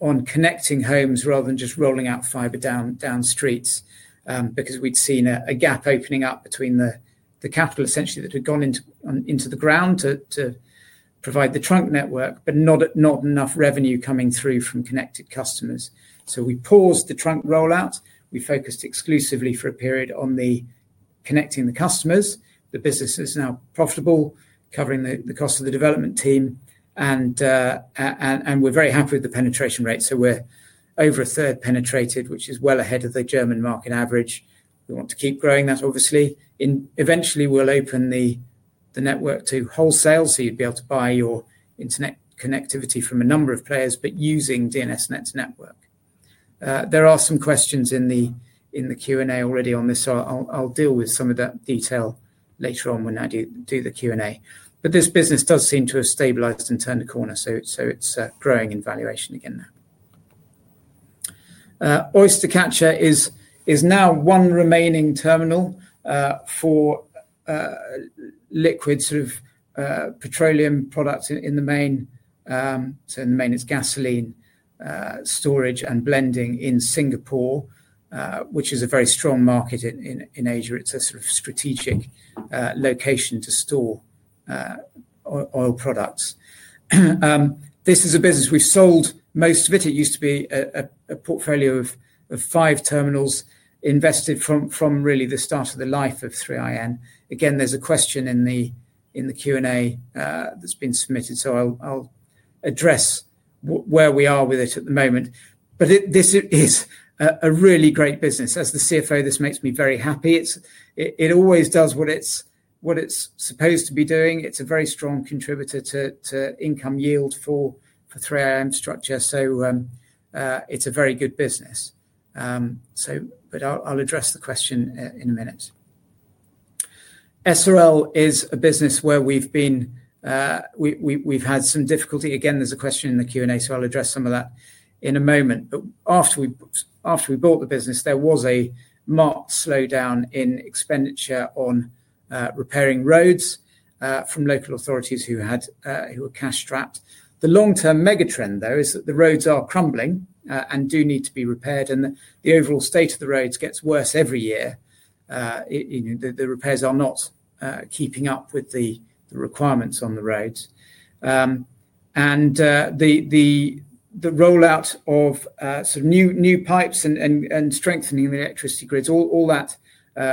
on connecting homes rather than just rolling out fiber down streets because we'd seen a gap opening up between the capital, essentially, that had gone into the ground to provide the trunk network, but not enough revenue coming through from connected customers. We paused the trunk rollout. We focused exclusively for a period on connecting the customers. The business is now profitable, covering the cost of the development team. We're very happy with the penetration rate. We're over a third penetrated, which is well ahead of the German market average. We want to keep growing that, obviously. Eventually, we'll open the network to wholesale. You'd be able to buy your internet connectivity from a number of players, but using DNSNet's network. There are some questions in the Q&A already on this. I'll deal with some of that detail later on when I do the Q&A. This business does seem to have stabilized and turned a corner. It is growing in valuation again now. Oystercatcher is now one remaining terminal for liquid sort of petroleum products in the main. In the main, it is gasoline storage and blending in Singapore, which is a very strong market in Asia. It is a sort of strategic location to store oil products. This is a business we've sold most of. It used to be a portfolio of five terminals invested from really the start of the life of 3i Infrastructure. There is a question in the Q&A that has been submitted. I'll address where we are with it at the moment. This is a really great business. As the CFO, this makes me very happy. It always does what it's supposed to be doing. It's a very strong contributor to income yield for 3i Infrastructure. It is a very good business. I will address the question in a minute. SRL is a business where we've had some difficulty. There is a question in the Q&A, so I will address some of that in a moment. After we bought the business, there was a marked slowdown in expenditure on repairing roads from local authorities who were cash-strapped. The long-term megatrend, though, is that the roads are crumbling and do need to be repaired. The overall state of the roads gets worse every year. The repairs are not keeping up with the requirements on the roads. The rollout of sort of new pipes and strengthening the electricity grids, all that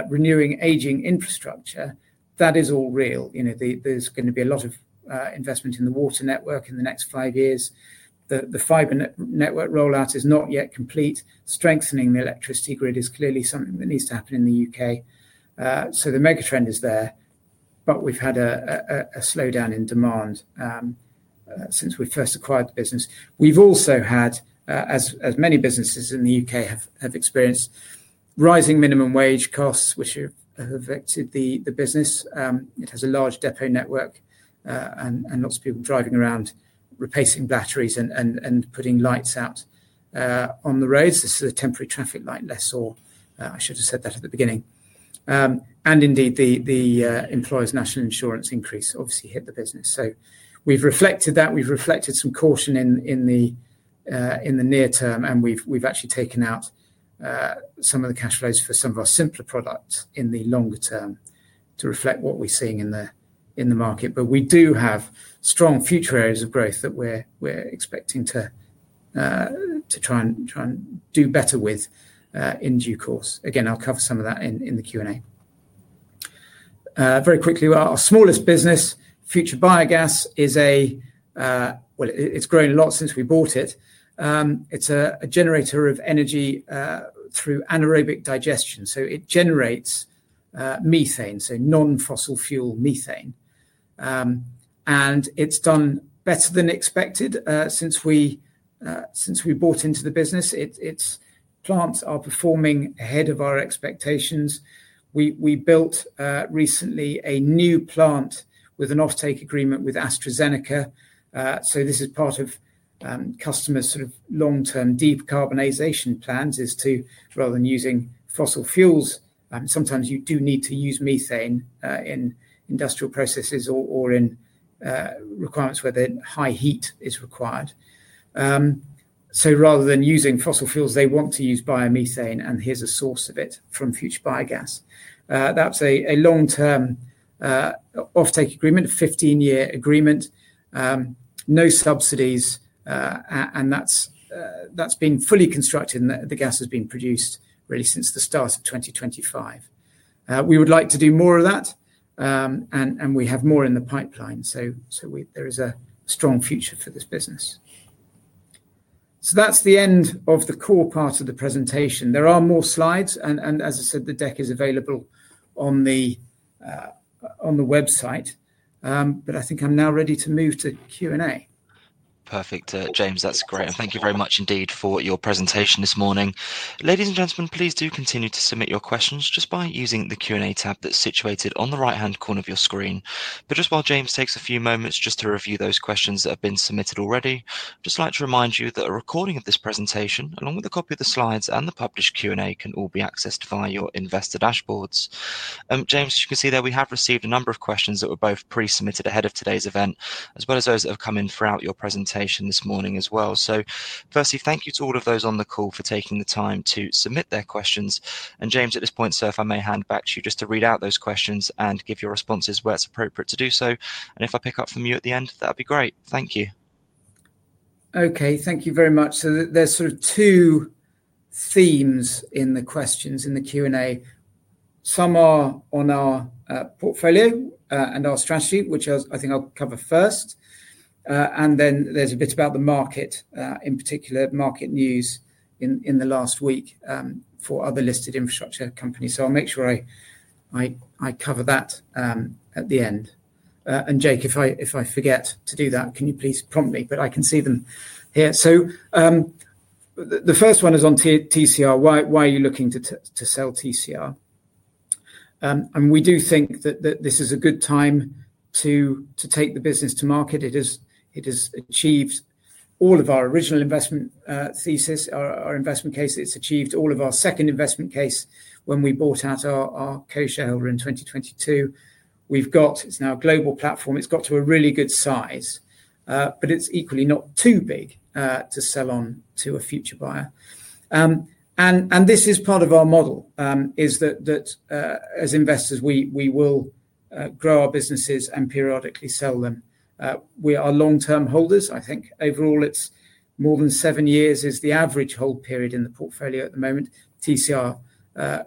renewing aging infrastructure, that is all real. is going to be a lot of investment in the water network in the next five years. The fiber network rollout is not yet complete. Strengthening the electricity grid is clearly something that needs to happen in the U.K. The megatrend is there. We have had a slowdown in demand since we first acquired the business. We have also had, as many businesses in the U.K. have experienced, rising minimum wage costs, which have affected the business. It has a large depot network and lots of people driving around, replacing batteries and putting lights out on the roads. This is a temporary traffic light. Less so. I should have said that at the beginning. Indeed, the employers' national insurance increase obviously hit the business. We have reflected that. We have reflected some caution in the near term. We've actually taken out some of the cash flows for some of our simpler products in the longer term to reflect what we're seeing in the market. We do have strong future areas of growth that we're expecting to try and do better with in due course. Again, I'll cover some of that in the Q&A. Very quickly, our smallest business, Future Biogas, is a—well, it's grown a lot since we bought it. It's a generator of energy through anaerobic digestion. It generates methane, so non-fossil fuel methane. It's done better than expected since we bought into the business. Its plants are performing ahead of our expectations. We built recently a new plant with an offtake agreement with AstraZeneca. This is part of customers' sort of long-term deep carbonization plans, to, rather than using fossil fuels, sometimes you do need to use methane in industrial processes or in requirements where high heat is required. Rather than using fossil fuels, they want to use biomethane. And here is a source of it from Future Biogas. That is a long-term offtake agreement, a 15-year agreement, no subsidies. That has been fully constructed. The gas has been produced really since the start of 2025. We would like to do more of that. We have more in the pipeline. There is a strong future for this business. That is the end of the core part of the presentation. There are more slides. As I said, the deck is available on the website. I think I am now ready to move to Q&A. Perfect, James. That is great. Thank you very much indeed for your presentation this morning. Ladies and gentlemen, please do continue to submit your questions just by using the Q&A tab that is situated on the right-hand corner of your screen. While James takes a few moments to review those questions that have been submitted already, I would just like to remind you that a recording of this presentation, along with a copy of the slides and the published Q&A, can all be accessed via your investor dashboards. James, as you can see there, we have received a number of questions that were both pre-submitted ahead of today's event, as well as those that have come in throughout your presentation this morning as well. Firstly, thank you to all of those on the call for taking the time to submit their questions. James, at this point, sir, if I may hand back to you just to read out those questions and give your responses where it's appropriate to do so. If I pick up from you at the end, that would be great. Thank you. Thank you very much. There are sort of two themes in the questions in the Q&A. Some are on our portfolio and our strategy, which I think I'll cover first. There is also a bit about the market, in particular, market news in the last week for other listed infrastructure companies. I will make sure I cover that at the end. Jake, if I forget to do that, can you please prompt me? I can see them here. The first one is on TCR. Why are you looking to sell TCR? We do think that this is a good time to take the business to market. It has achieved all of our original investment thesis, our investment case. It's achieved all of our second investment case when we bought out our co-shareholder in 2022. It's now a global platform. It's got to a really good size. It is equally not too big to sell on to a future buyer. This is part of our model, that as investors, we will grow our businesses and periodically sell them. We are long-term holders. I think overall, it's more than seven years is the average hold period in the portfolio at the moment. TCR,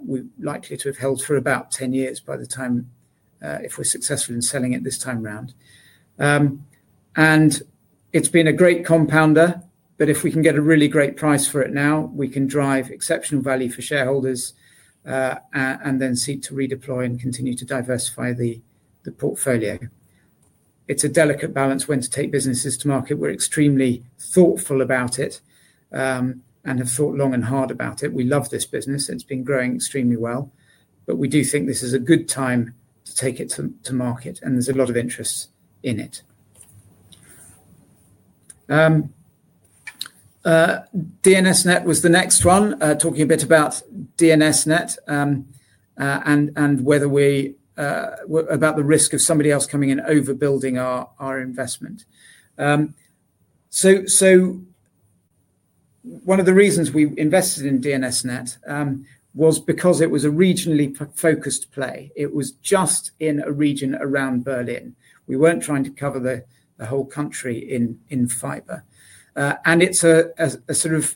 we're likely to have held for about 10 years by the time if we're successful in selling it this time around. It's been a great compounder. If we can get a really great price for it now, we can drive exceptional value for shareholders and then seek to redeploy and continue to diversify the portfolio. It's a delicate balance when to take businesses to market. We're extremely thoughtful about it and have thought long and hard about it. We love this business. It's been growing extremely well. We do think this is a good time to take it to market. There's a lot of interest in it. DNSNet was the next one, talking a bit about DNSNet and about the risk of somebody else coming in overbuilding our investment. One of the reasons we invested in DNSNet was because it was a regionally focused play. It was just in a region around Berlin. We weren't trying to cover the whole country in fiber. It's a sort of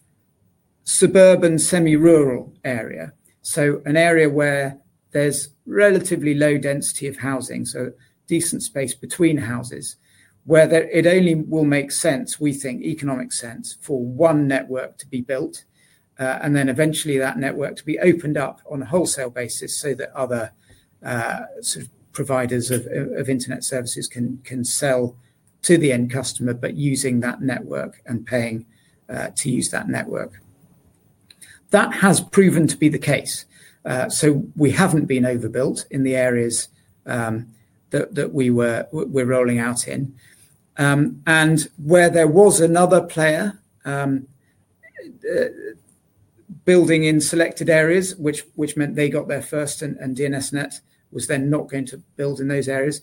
suburban semi-rural area, so an area where there's relatively low density of housing, so decent space between houses, where it only will make sense, we think, economic sense for one network to be built, and then eventually that network to be opened up on a wholesale basis so that other sort of providers of internet services can sell to the end customer, but using that network and paying to use that network. That has proven to be the case. We haven't been overbuilt in the areas that we're rolling out in. Where there was another player building in selected areas, which meant they got there first and DNSNet was then not going to build in those areas,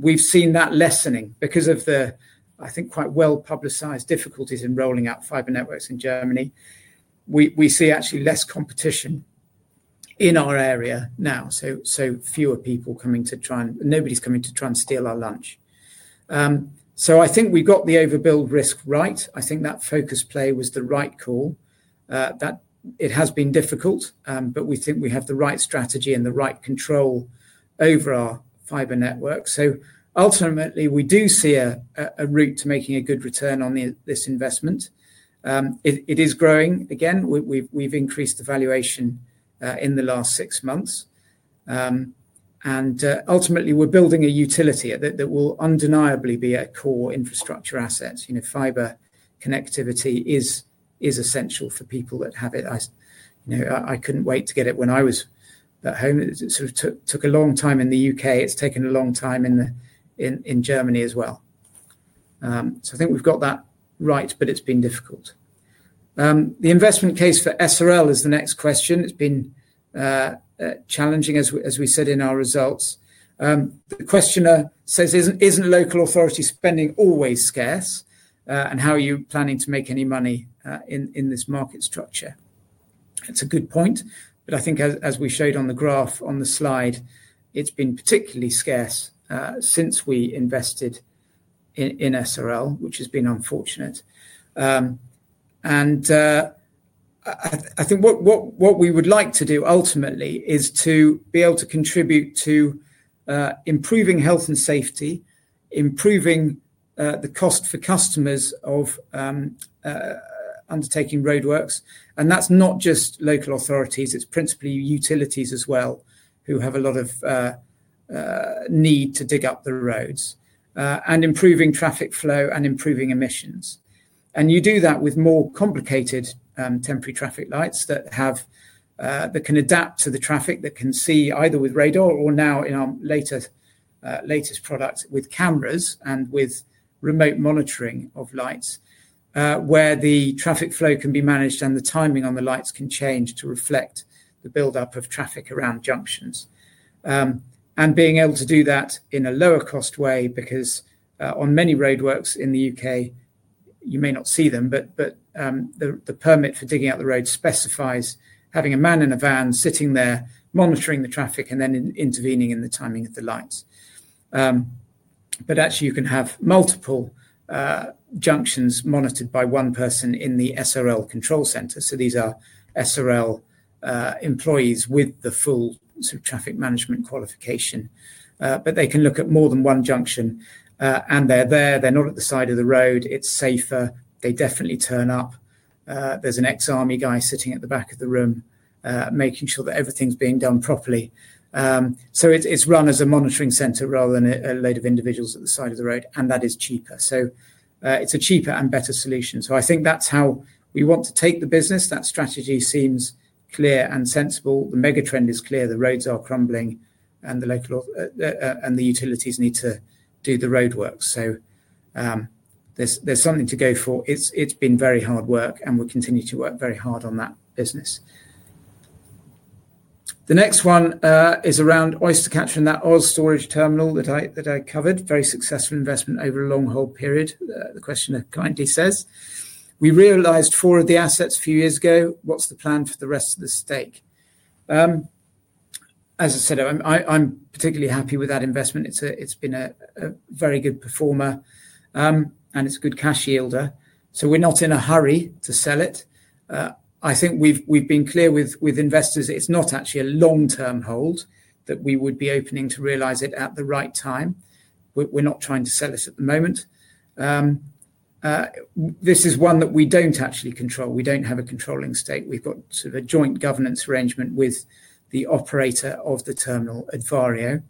we've seen that lessening because of the, I think, quite well-publicized difficulties in rolling out fiber networks in Germany. We see actually less competition in our area now. Fewer people coming to try and nobody's coming to try and steal our lunch. I think we got the overbuild risk right. I think that focus play was the right call. It has been difficult, but we think we have the right strategy and the right control over our fiber network. Ultimately, we do see a route to making a good return on this investment. It is growing. Again, we've increased the valuation in the last six months. Ultimately, we're building a utility that will undeniably be a core infrastructure asset. Fiber connectivity is essential for people that have it. I couldn't wait to get it when I was at home. It sort of took a long time in the U.K. It's taken a long time in Germany as well. I think we've got that right, but it's been difficult. The investment case for SRL is the next question. It's been challenging, as we said in our results. The questioner says, "Isn't local authority spending always scarce? And how are you planning to make any money in this market structure?" It's a good point. I think, as we showed on the graph on the slide, it's been particularly scarce since we invested in SRL, which has been unfortunate. I think what we would like to do ultimately is to be able to contribute to improving health and safety, improving the cost for customers of undertaking roadworks. That's not just local authorities. It's principally utilities as well who have a lot of need to dig up the roads and improving traffic flow and improving emissions. You do that with more complicated temporary traffic lights that can adapt to the traffic that can see either with radar or now in our latest product with cameras and with remote monitoring of lights where the traffic flow can be managed and the timing on the lights can change to reflect the buildup of traffic around junctions. Being able to do that in a lower-cost way because on many roadworks in the U.K., you may not see them, but the permit for digging out the road specifies having a man in a van sitting there monitoring the traffic and then intervening in the timing of the lights. Actually, you can have multiple junctions monitored by one person in the SRL control center. These are SRL employees with the full sort of traffic management qualification. They can look at more than one junction. They're there. They're not at the side of the road. It's safer. They definitely turn up. There's an ex-army guy sitting at the back of the room making sure that everything's being done properly. It is run as a monitoring center rather than a load of individuals at the side of the road. That is cheaper. It is a cheaper and better solution. I think that's how we want to take the business. That strategy seems clear and sensible. The megatrend is clear. The roads are crumbling. The utilities need to do the roadworks. There is something to go for. It's been very hard work. We will continue to work very hard on that business. The next one is around Oystercatcher and that Oystercatcher storage terminal that I covered. Very successful investment over a long hold period. The questioner kindly says, "We realized four of the assets a few years ago. What's the plan for the rest of the stake?" As I said, I'm particularly happy with that investment. It's been a very good performer. It's a good cash yielder. We're not in a hurry to sell it. I think we've been clear with investors. It's not actually a long-term hold that we would be opening to realize it at the right time. We're not trying to sell this at the moment. This is one that we don't actually control. We don't have a controlling stake. We've got sort of a joint governance arrangement with the operator of the terminal, Advario.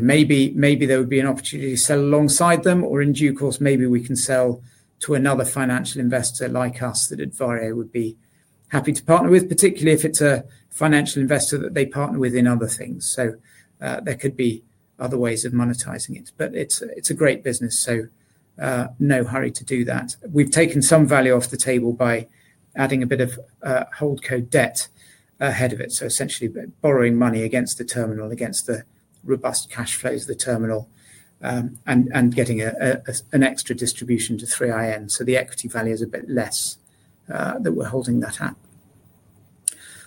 Maybe there would be an opportunity to sell alongside them. Or in due course, maybe we can sell to another financial investor like us that Advario would be happy to partner with, particularly if it's a financial investor that they partner with in other things. There could be other ways of monetizing it. It's a great business. No hurry to do that. We've taken some value off the table by adding a bit of holdco debt ahead of it, essentially borrowing money against the terminal, against the robust cash flows of the terminal, and getting an extra distribution to 3iN. The equity value is a bit less that we're holding that at.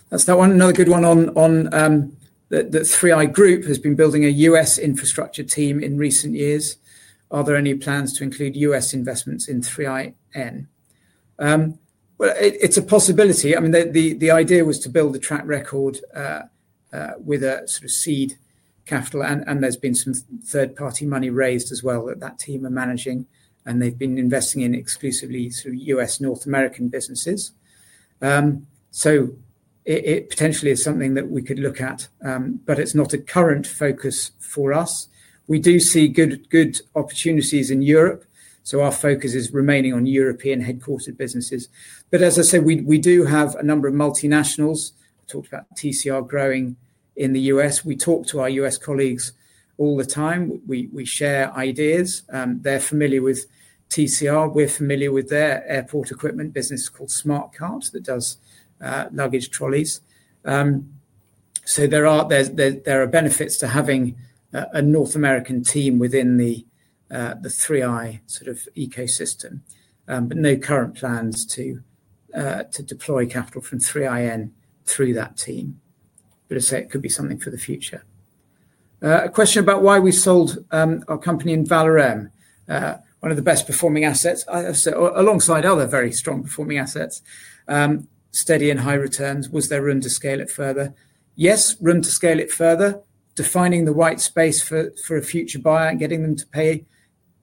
That's that one. Another good one on the 3i Group has been building a US infrastructure team in recent years. Are there any plans to include US investments in 3iN? It's a possibility. I mean, the idea was to build a track record with a sort of seed capital. There has been some third-party money raised as well that that team are managing. They have been investing in exclusively sort of US North American businesses. It potentially is something that we could look at. It is not a current focus for us. We do see good opportunities in Europe. Our focus is remaining on European headquartered businesses. As I said, we do have a number of multinationals. We talked about TCR growing in the US. We talk to our US colleagues all the time. We share ideas. They are familiar with TCR. We are familiar with their airport equipment business called Smarte Carte that does luggage trolleys. There are benefits to having a North American team within the 3i sort of ecosystem. No current plans to deploy capital from 3i Infrastructure through that team. As I said, it could be something for the future. A question about why we sold our company in Valorem. One of the best-performing assets, alongside other very strong-performing assets, steady and high returns. Was there room to scale it further? Yes, room to scale it further. Defining the right space for a future buyer and getting them to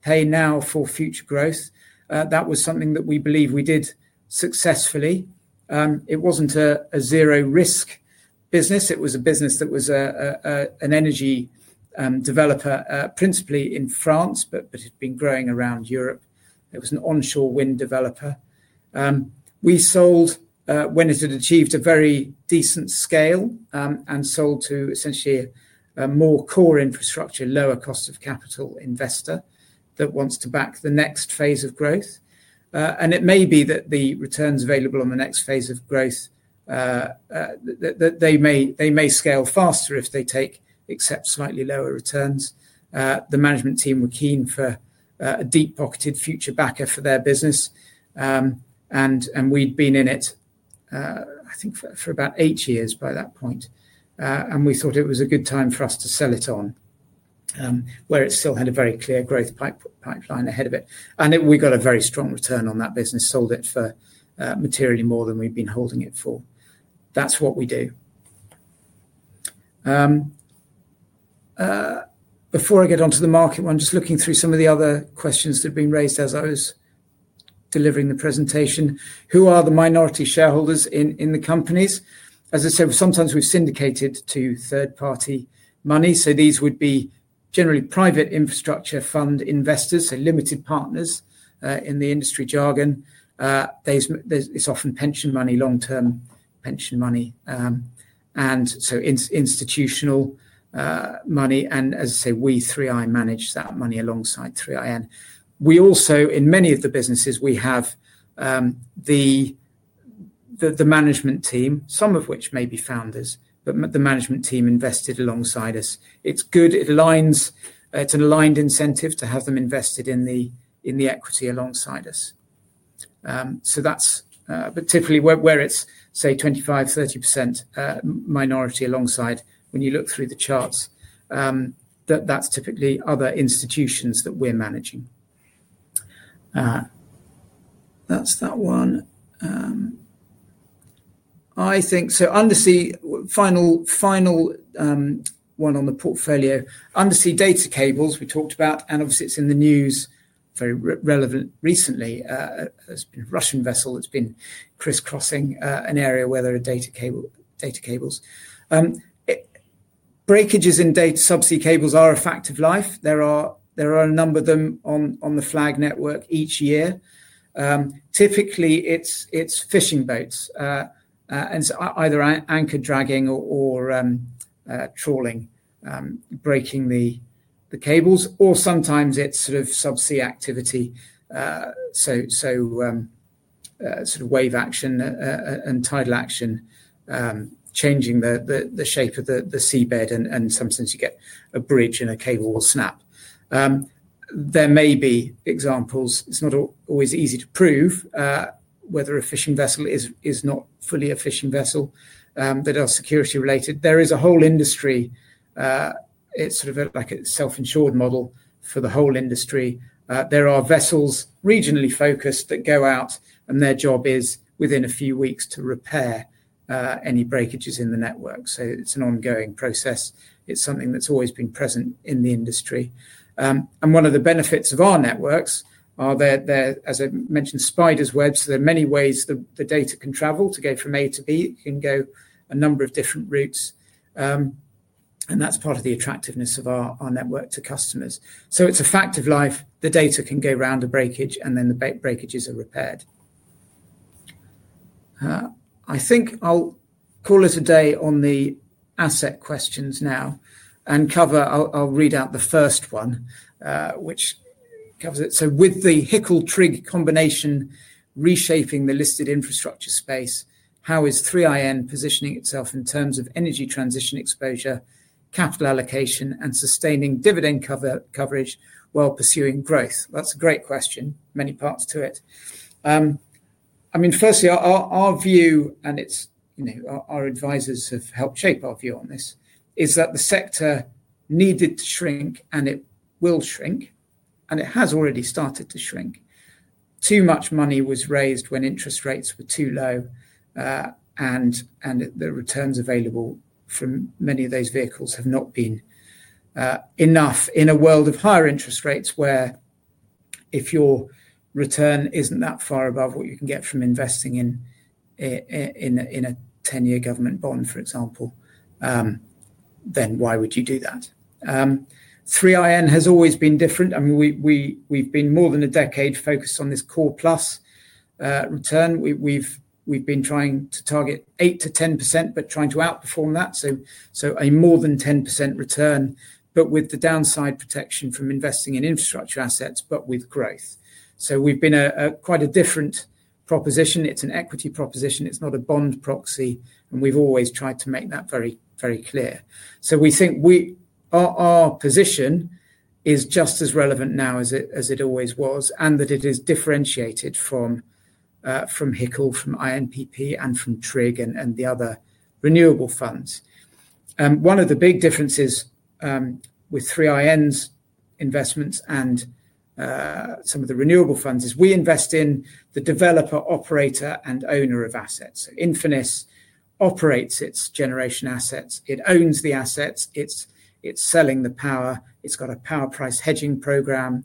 pay now for future growth. That was something that we believe we did successfully. It was not a zero-risk business. It was a business that was an energy developer principally in France, but it had been growing around Europe. It was an onshore wind developer. We sold when it had achieved a very decent scale and sold to essentially a more core infrastructure, lower cost of capital investor that wants to back the next phase of growth. It may be that the returns available on the next phase of growth may scale faster if they accept slightly lower returns. The management team were keen for a deep-pocketed future backer for their business. We had been in it, I think, for about eight years by that point. We thought it was a good time for us to sell it on, where it still had a very clear growth pipeline ahead of it. We got a very strong return on that business, sold it for materially more than we had been holding it for. That is what we do. Before I get onto the market, I am just looking through some of the other questions that have been raised as I was delivering the presentation. Who are the minority shareholders in the companies? As I said, sometimes we have syndicated to third-party money. These would be generally private infrastructure fund investors, so limited partners in the industry jargon. It's often pension money, long-term pension money. Institutional money. As I say, we 3i manage that money alongside 3iN. We also, in many of the businesses, have the management team, some of which may be founders, but the management team invested alongside us. It's good. It's an aligned incentive to have them invested in the equity alongside us. That's particularly where it's, say, 25%-30% minority alongside, when you look through the charts, that's typically other institutions that we're managing. That's that one. I think, final one on the portfolio, undersea data cables we talked about. Obviously, it's in the news, very relevant recently. There's been a Russian vessel that's been crisscrossing an area where there are data cables. Breakages in subsea cables are a fact of life. There are a number of them on the Flag network each year. Typically, it's fishing boats. Either anchor dragging or trawling, breaking the cables, or sometimes it's sort of subsea activity. Sort of wave action and tidal action changing the shape of the seabed. Sometimes you get a bridge and a cable will snap. There may be examples. It's not always easy to prove whether a fishing vessel is not fully a fishing vessel. They're all security-related. There is a whole industry. It's sort of like a self-insured model for the whole industry. There are vessels regionally focused that go out, and their job is within a few weeks to repair any breakages in the network. It's an ongoing process. It's something that's always been present in the industry. One of the benefits of our networks are that they're, as I mentioned, spider's webs. There are many ways the data can travel to go from A to B. It can go a number of different routes. That's part of the attractiveness of our network to customers. It's a fact of life. The data can go around a breakage, and then the breakages are repaired. I think I'll call it a day on the asset questions now. I'll read out the first one, which covers it. With the HICL-TRIG combination reshaping the listed infrastructure space, how is 3iN positioning itself in terms of energy transition exposure, capital allocation, and sustaining dividend coverage while pursuing growth? That's a great question. Many parts to it. I mean, firstly, our view, and our advisors have helped shape our view on this, is that the sector needed to shrink, and it will shrink. It has already started to shrink. Too much money was raised when interest rates were too low. The returns available from many of those vehicles have not been enough in a world of higher interest rates where if your return is not that far above what you can get from investing in a 10-year government bond, for example, then why would you do that? 3iN has always been different. I mean, we have been more than a decade focused on this core plus return. We have been trying to target 8%-10%, but trying to outperform that. A more than 10% return, but with the downside protection from investing in infrastructure assets, but with growth. We have been quite a different proposition. It is an equity proposition. It is not a bond proxy. We have always tried to make that very, very clear. We think our position is just as relevant now as it always was, and that it is differentiated from HICL, from INPP, and from TRIG and the other renewable funds. One of the big differences with 3i Infrastructure's investments and some of the renewable funds is we invest in the developer, operator, and owner of assets. So Infinex operates its generation assets. It owns the assets. It is selling the power. It has a power price hedging program.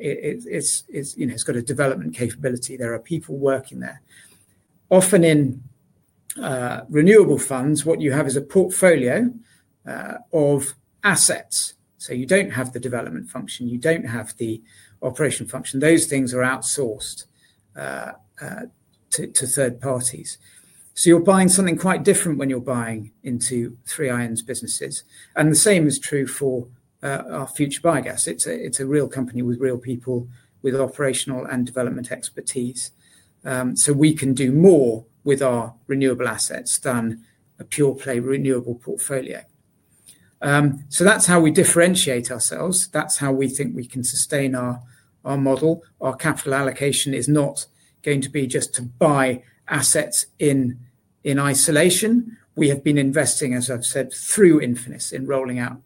It has a development capability. There are people working there. Often in renewable funds, what you have is a portfolio of assets. You do not have the development function. You do not have the operation function. Those things are outsourced to third parties. You're buying something quite different when you're buying into 3i Infrastructure's businesses. The same is true for our Future Biogas. It's a real company with real people with operational and development expertise. We can do more with our renewable assets than a pure play renewable portfolio. That's how we differentiate ourselves. That's how we think we can sustain our model. Our capital allocation is not going to be just to buy assets in isolation. We have been investing, as I've said, through Infinex in rolling out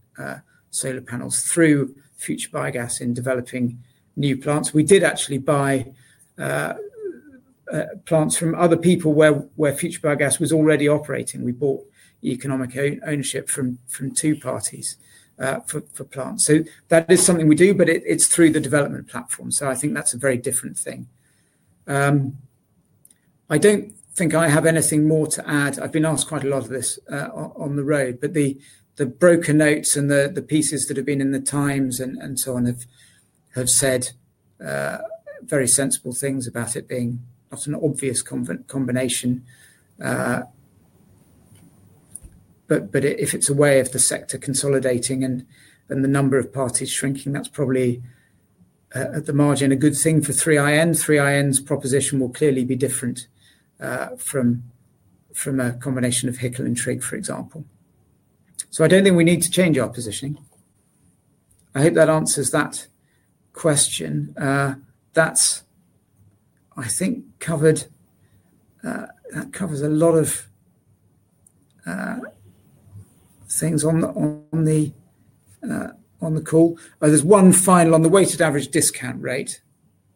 solar panels, through Future Biogas in developing new plants. We did actually buy plants from other people where Future Biogas was already operating. We bought economic ownership from two parties for plants. That is something we do, but it's through the development platform. I think that's a very different thing. I don't think I have anything more to add. I've been asked quite a lot of this on the road. The broken notes and the pieces that have been in the Times and so on have said very sensible things about it being not an obvious combination. If it's a way of the sector consolidating and the number of parties shrinking, that's probably at the margin a good thing for 3iN. 3iN's proposition will clearly be different from a combination of HICL and TRIG, for example. I don't think we need to change our positioning. I hope that answers that question. I think that covers a lot of things on the call. There's one final on the weighted average discount rate.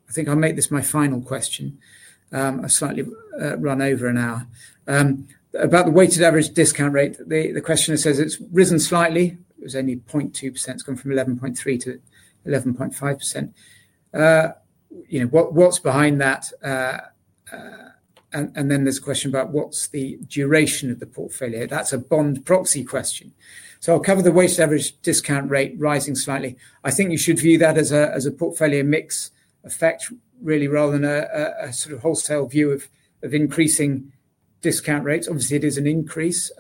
I think I'll make this my final question. I've slightly run over an hour. About the weighted average discount rate, the questioner says it's risen slightly. It was only 0.2%. It's gone from 11.3% to 11.5%. What's behind that? There's a question about what's the duration of the portfolio. That's a bond proxy question. I'll cover the weighted average discount rate rising slightly. I think you should view that as a portfolio mix effect, really, rather than a sort of wholesale view of increasing discount rates. Obviously, it is an increase.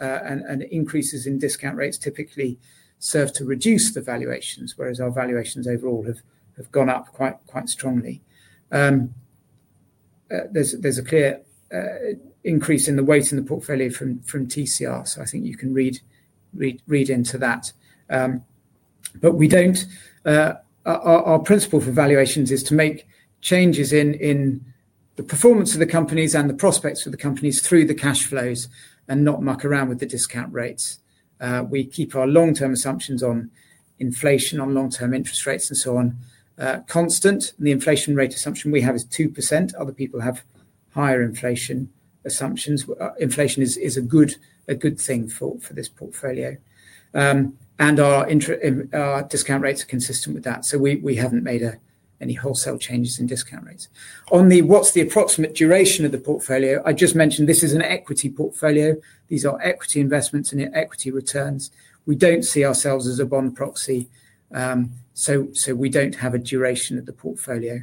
Increases in discount rates typically serve to reduce the valuations, whereas our valuations overall have gone up quite strongly. There's a clear increase in the weight in the portfolio from TCR. I think you can read into that. Our principle for valuations is to make changes in the performance of the companies and the prospects of the companies through the cash flows and not muck around with the discount rates. We keep our long-term assumptions on inflation, on long-term interest rates, and so on constant. The inflation rate assumption we have is 2%. Other people have higher inflation assumptions. Inflation is a good thing for this portfolio. Our discount rates are consistent with that. We have not made any wholesale changes in discount rates. On the what's the approximate duration of the portfolio? I just mentioned this is an equity portfolio. These are equity investments and equity returns. We do not see ourselves as a bond proxy. We do not have a duration of the portfolio.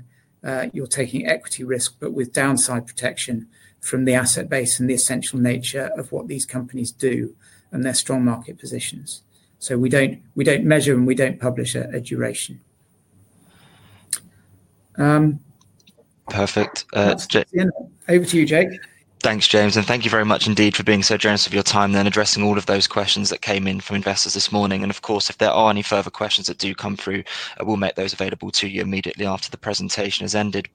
You are taking equity risk, but with downside protection from the asset base and the essential nature of what these companies do and their strong market positions. We do not measure and we do not publish a duration. Perfect. Over to you, Jake. Thanks, James. Thank you very much indeed for being so generous of your time and then addressing all of those questions that came in from investors this morning. Of course, if there are any further questions that do come through, we'll make those available to you immediately after the presentation has ended.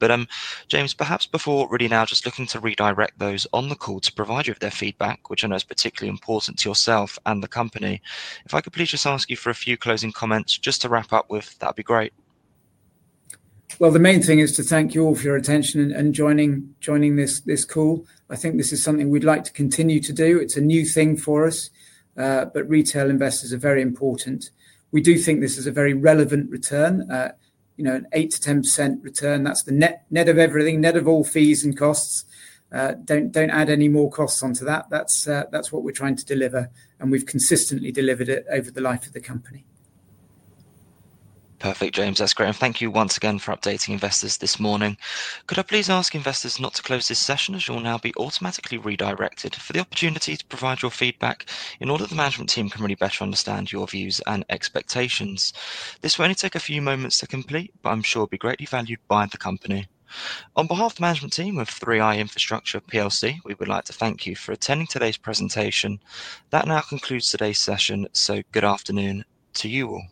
James, perhaps before really now just looking to redirect those on the call to provide you with their feedback, which I know is particularly important to yourself and the company. If I could please just ask you for a few closing comments just to wrap up with, that'd be great. The main thing is to thank you all for your attention and joining this call. I think this is something we'd like to continue to do. It's a new thing for us. Retail investors are very important. We do think this is a very relevant return, an 8%-10% return. That's the net of everything, net of all fees and costs. Don't add any more costs onto that. That's what we're trying to deliver. We've consistently delivered it over the life of the company. Perfect, James. That's great. Thank you once again for updating investors this morning. Could I please ask investors not to close this session as you'll now be automatically redirected for the opportunity to provide your feedback in order that the management team can really better understand your views and expectations? This will only take a few moments to complete, but I'm sure it'll be greatly valued by the company. On behalf of the management team of 3i Infrastructure, we would like to thank you for attending today's presentation. That now concludes today's session. Good afternoon to you all.